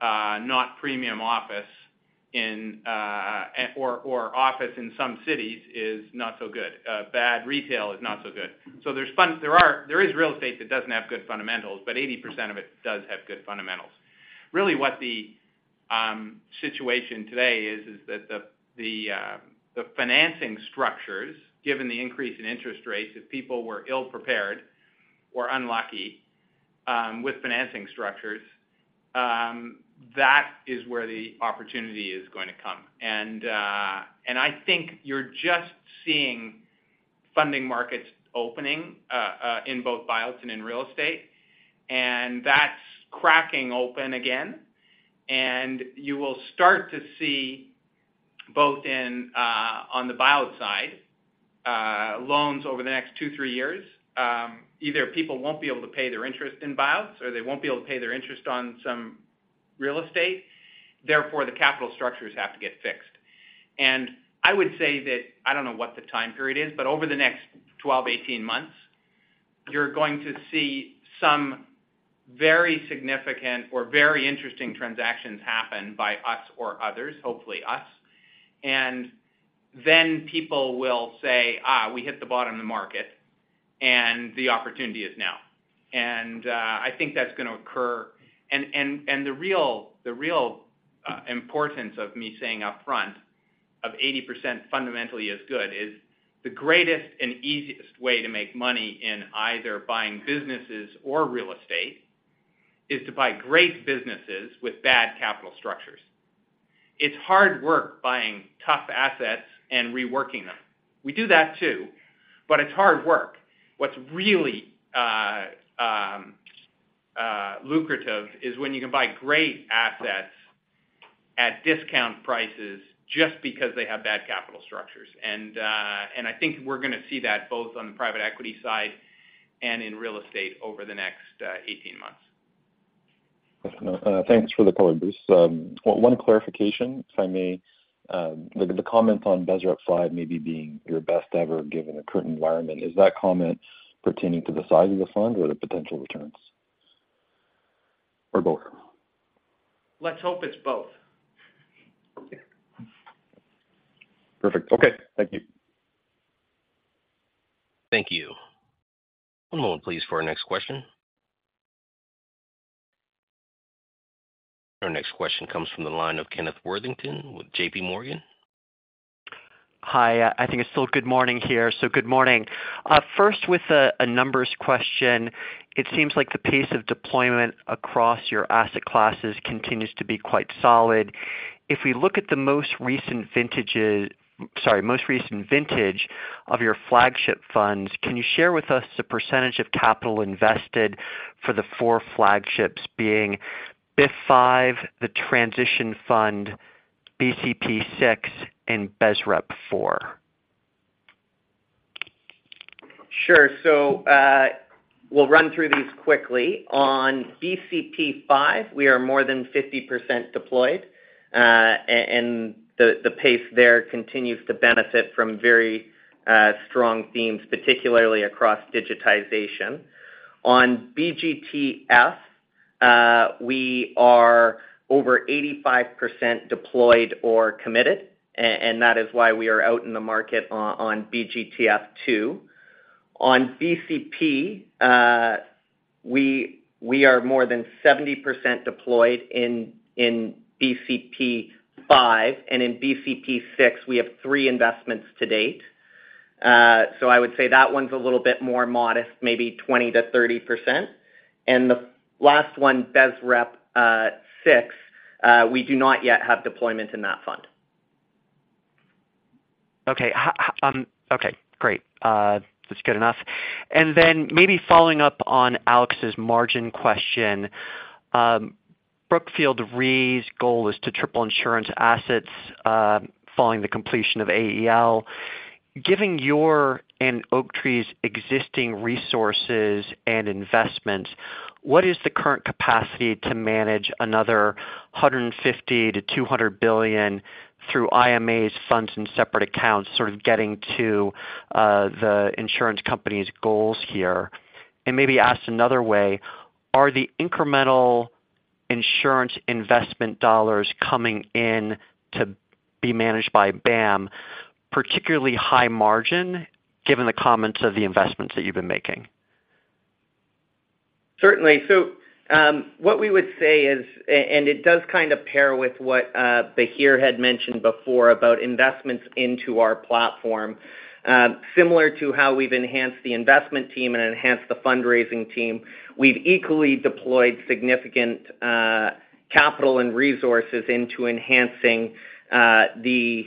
not premium office in, or, or office in some cities is not so good. Bad retail is not so good. There are, there is real estate that doesn't have good fundamentals, but 80% of it does have good fundamentals. Really, what the situation today is, is that the, the financing structures, given the increase in interest rates, if people were ill-prepared or unlucky, with financing structures, that is where the opportunity is going to come. I think you're just seeing funding markets opening in both buyouts and in real estate, and that's cracking open again. You will start to see, both in on the buyout side, loans over the next two, three years. Either people won't be able to pay their interest in buyouts, or they won't be able to pay their interest on some real estate. Therefore, the capital structures have to get fixed. I would say that I don't know what the time period is, but over the next 12, 18 months, you're going to see some very significant or very interesting transactions happen by us or others, hopefully us. Then people will say, "Ah, we hit the bottom of the market, and the opportunity is now." I think that's gonna occur. The real, the real importance of me saying upfront, of 80% fundamentally is good, is the greatest and easiest way to make money in either buying businesses or real estate, is to buy great businesses with bad capital structures. It's hard work buying tough assets and reworking them. We do that too, but it's hard work. What's really lucrative is when you can buy great assets at discount prices just because they have bad capital structures. I think we're gonna see that both on the private equity side and in real estate over the next 18 months. Thanks for the color, Bruce. One clarification, if I may. The comment on BSREP V maybe being your best ever, given the current environment. Is that comment pertaining to the size of the fund or the potential returns, or both? Let's hope it's both. Perfect. Okay. Thank you. Thank you. One moment, please, for our next question. Our next question comes from the line of Kenneth Worthington with JPMorgan. Hi, I think it's still good morning here, good morning. First with a numbers question. It seems like the pace of deployment across your asset classes continues to be quite solid. If we look at the most recent vintages, sorry, most recent vintage of your flagship funds, can you share with us the percentage of capital invested for the 4 flagships, being BIF V, the Transition Fund, BCP VI, and BSREP IV? Sure. We'll run through these quickly. On BCP V, we are more than 50% deployed, and the pace there continues to benefit from very strong themes, particularly across digitization. On BGTF, we are over 85% deployed or committed, and that is why we are out in the market on BGTF II. On BCP, we are more than 70% deployed in BCP V, and in BCP VI, we have three investments to date. I would say that one's a little bit more modest, maybe 20%-30%. The last one, BSREP VI, we do not yet have deployment in that fund. Okay, okay, great. That's good enough. Maybe following up on Alex's margin question, Brookfield Re's goal is to triple insurance assets following the completion of AEL. Given your and Oaktree's existing resources and investments, what is the current capacity to manage another $150 billion-$200 billion through IMAs funds and separate accounts, sort of getting to the insurance company's goals here? Maybe asked another way, are the incremental insurance investment dollars coming in to be managed by BAM, particularly high margin, given the comments of the investments that you've been making? Certainly. What we would say is, and it does kind of pair with what Bahir had mentioned before about investments into our platform. Similar to how we've enhanced the investment team and enhanced the fundraising team, we've equally deployed significant capital and resources into enhancing the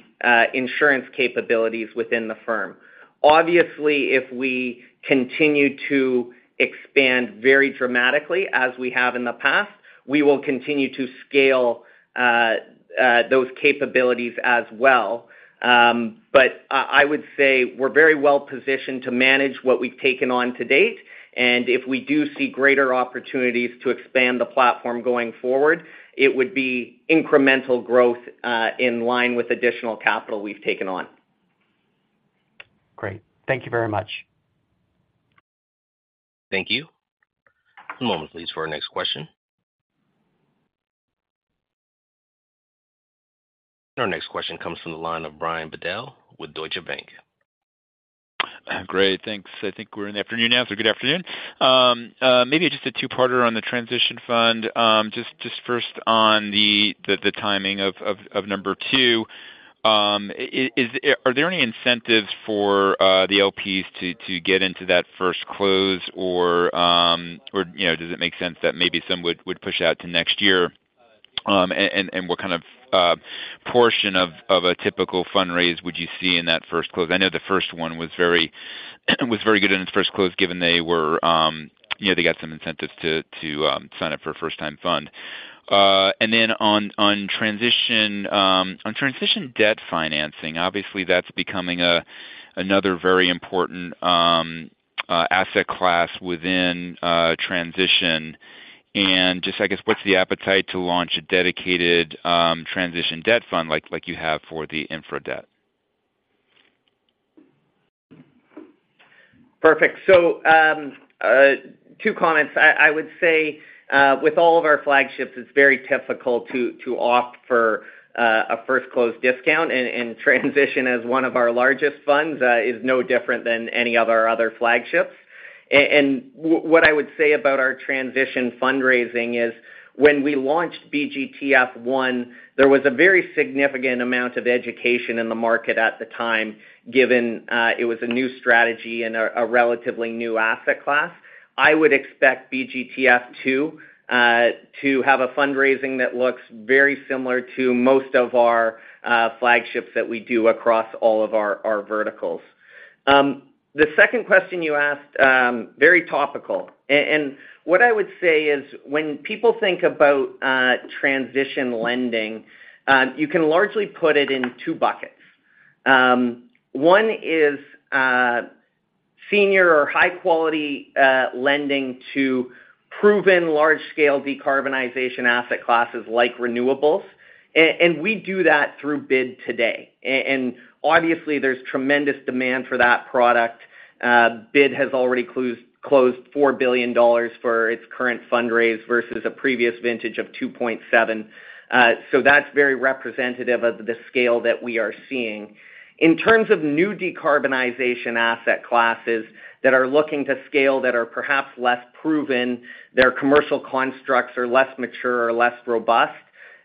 insurance capabilities within the firm. Obviously, if we continue to expand very dramatically, as we have in the past, we will continue to scale those capabilities as well. I, I would say we're very well positioned to manage what we've taken on to date, and if we do see greater opportunities to expand the platform going forward, it would be incremental growth in line with additional capital we've taken on. Great. Thank you very much. Thank you. One moment, please, for our next question. Our next question comes from the line of Brian Bedell with Deutsche Bank. Great, thanks. I think we're in the afternoon now, so good afternoon. Maybe just a two-parter on the transition fund. Just, just first on the, the, the timing of, of, of number 2, are there any incentives for the LPs to, to get into that first close or, or, you know, does it make sense that maybe some would, would push out to next year? And what kind of portion of, of a typical fundraise would you see in that first close? I know the first one was very, was very good in its first close, given they were, you know, they got some incentives to, to, sign up for a first-time fund. Then on, on transition, on transition debt financing, obviously, that's becoming another very important asset class within transition. Just, I guess, what's the appetite to launch a dedicated transition debt fund like, like you have for the infra debt? Perfect. 2 comments. I would say with all of our flagships, it's very difficult to opt for a first close discount, and transition as one of our largest funds is no different than any of our other flagships. What I would say about our transition fundraising is, when we launched BGTF I, there was a very significant amount of education in the market at the time, given it was a new strategy and a relatively new asset class. I would expect BGTF II to have a fundraising that looks very similar to most of our flagships that we do across all of our verticals. The second question you asked, very topical. What I would say is, when people think about transition lending, you can largely put it in two buckets. One is senior or high-quality lending to proven large-scale decarbonization asset classes like renewables. We do that through BID today. Obviously, there's tremendous demand for that product. BID has already closed $4 billion for its current fundraise versus a previous vintage of $2.7 billion. That's very representative of the scale that we are seeing. In terms of new decarbonization asset classes that are looking to scale, that are perhaps less proven, their commercial constructs are less mature or less robust,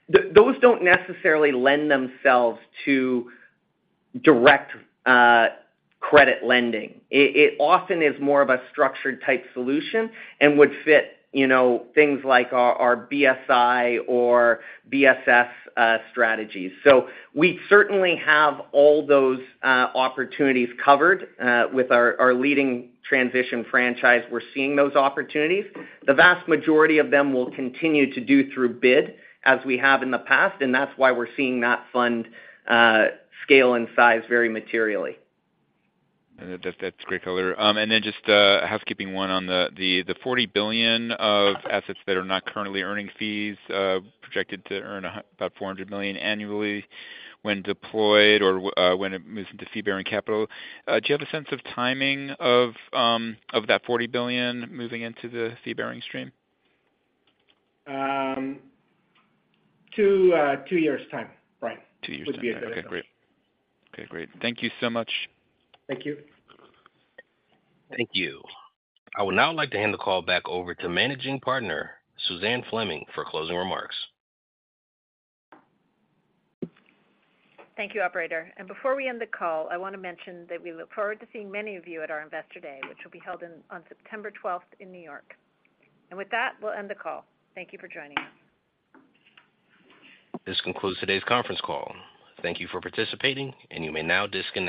those don't necessarily lend themselves to direct credit lending. It often is more of a structured-type solution and would fit, you know, things like our BSI or BSS strategies. We certainly have all those opportunities covered with our leading transition franchise. We're seeing those opportunities. The vast majority of them will continue to do through BID, as we have in the past, and that's why we're seeing that fund scale in size very materially. That's, that's great color. Then just a housekeeping one on the, the, the $40 billion of assets that are not currently earning fees, projected to earn about $400 million annually when deployed or when it moves into fee-bearing capital. Do you have a sense of timing of, of that $40 billion moving into the fee-bearing stream? 2, 2 years' time, right. Two years time. Would be- Okay, great. Okay, great. Thank you so much. Thank you. Thank you. I would now like to hand the call back over to Managing Partner, Suzanne Fleming, for closing remarks. Thank you, operator. Before we end the call, I wanna mention that we look forward to seeing many of you at our Investor Day, which will be held on September 12th in New York. With that, we'll end the call. Thank you for joining us. This concludes today's conference call. Thank you for participating, and you may now disconnect.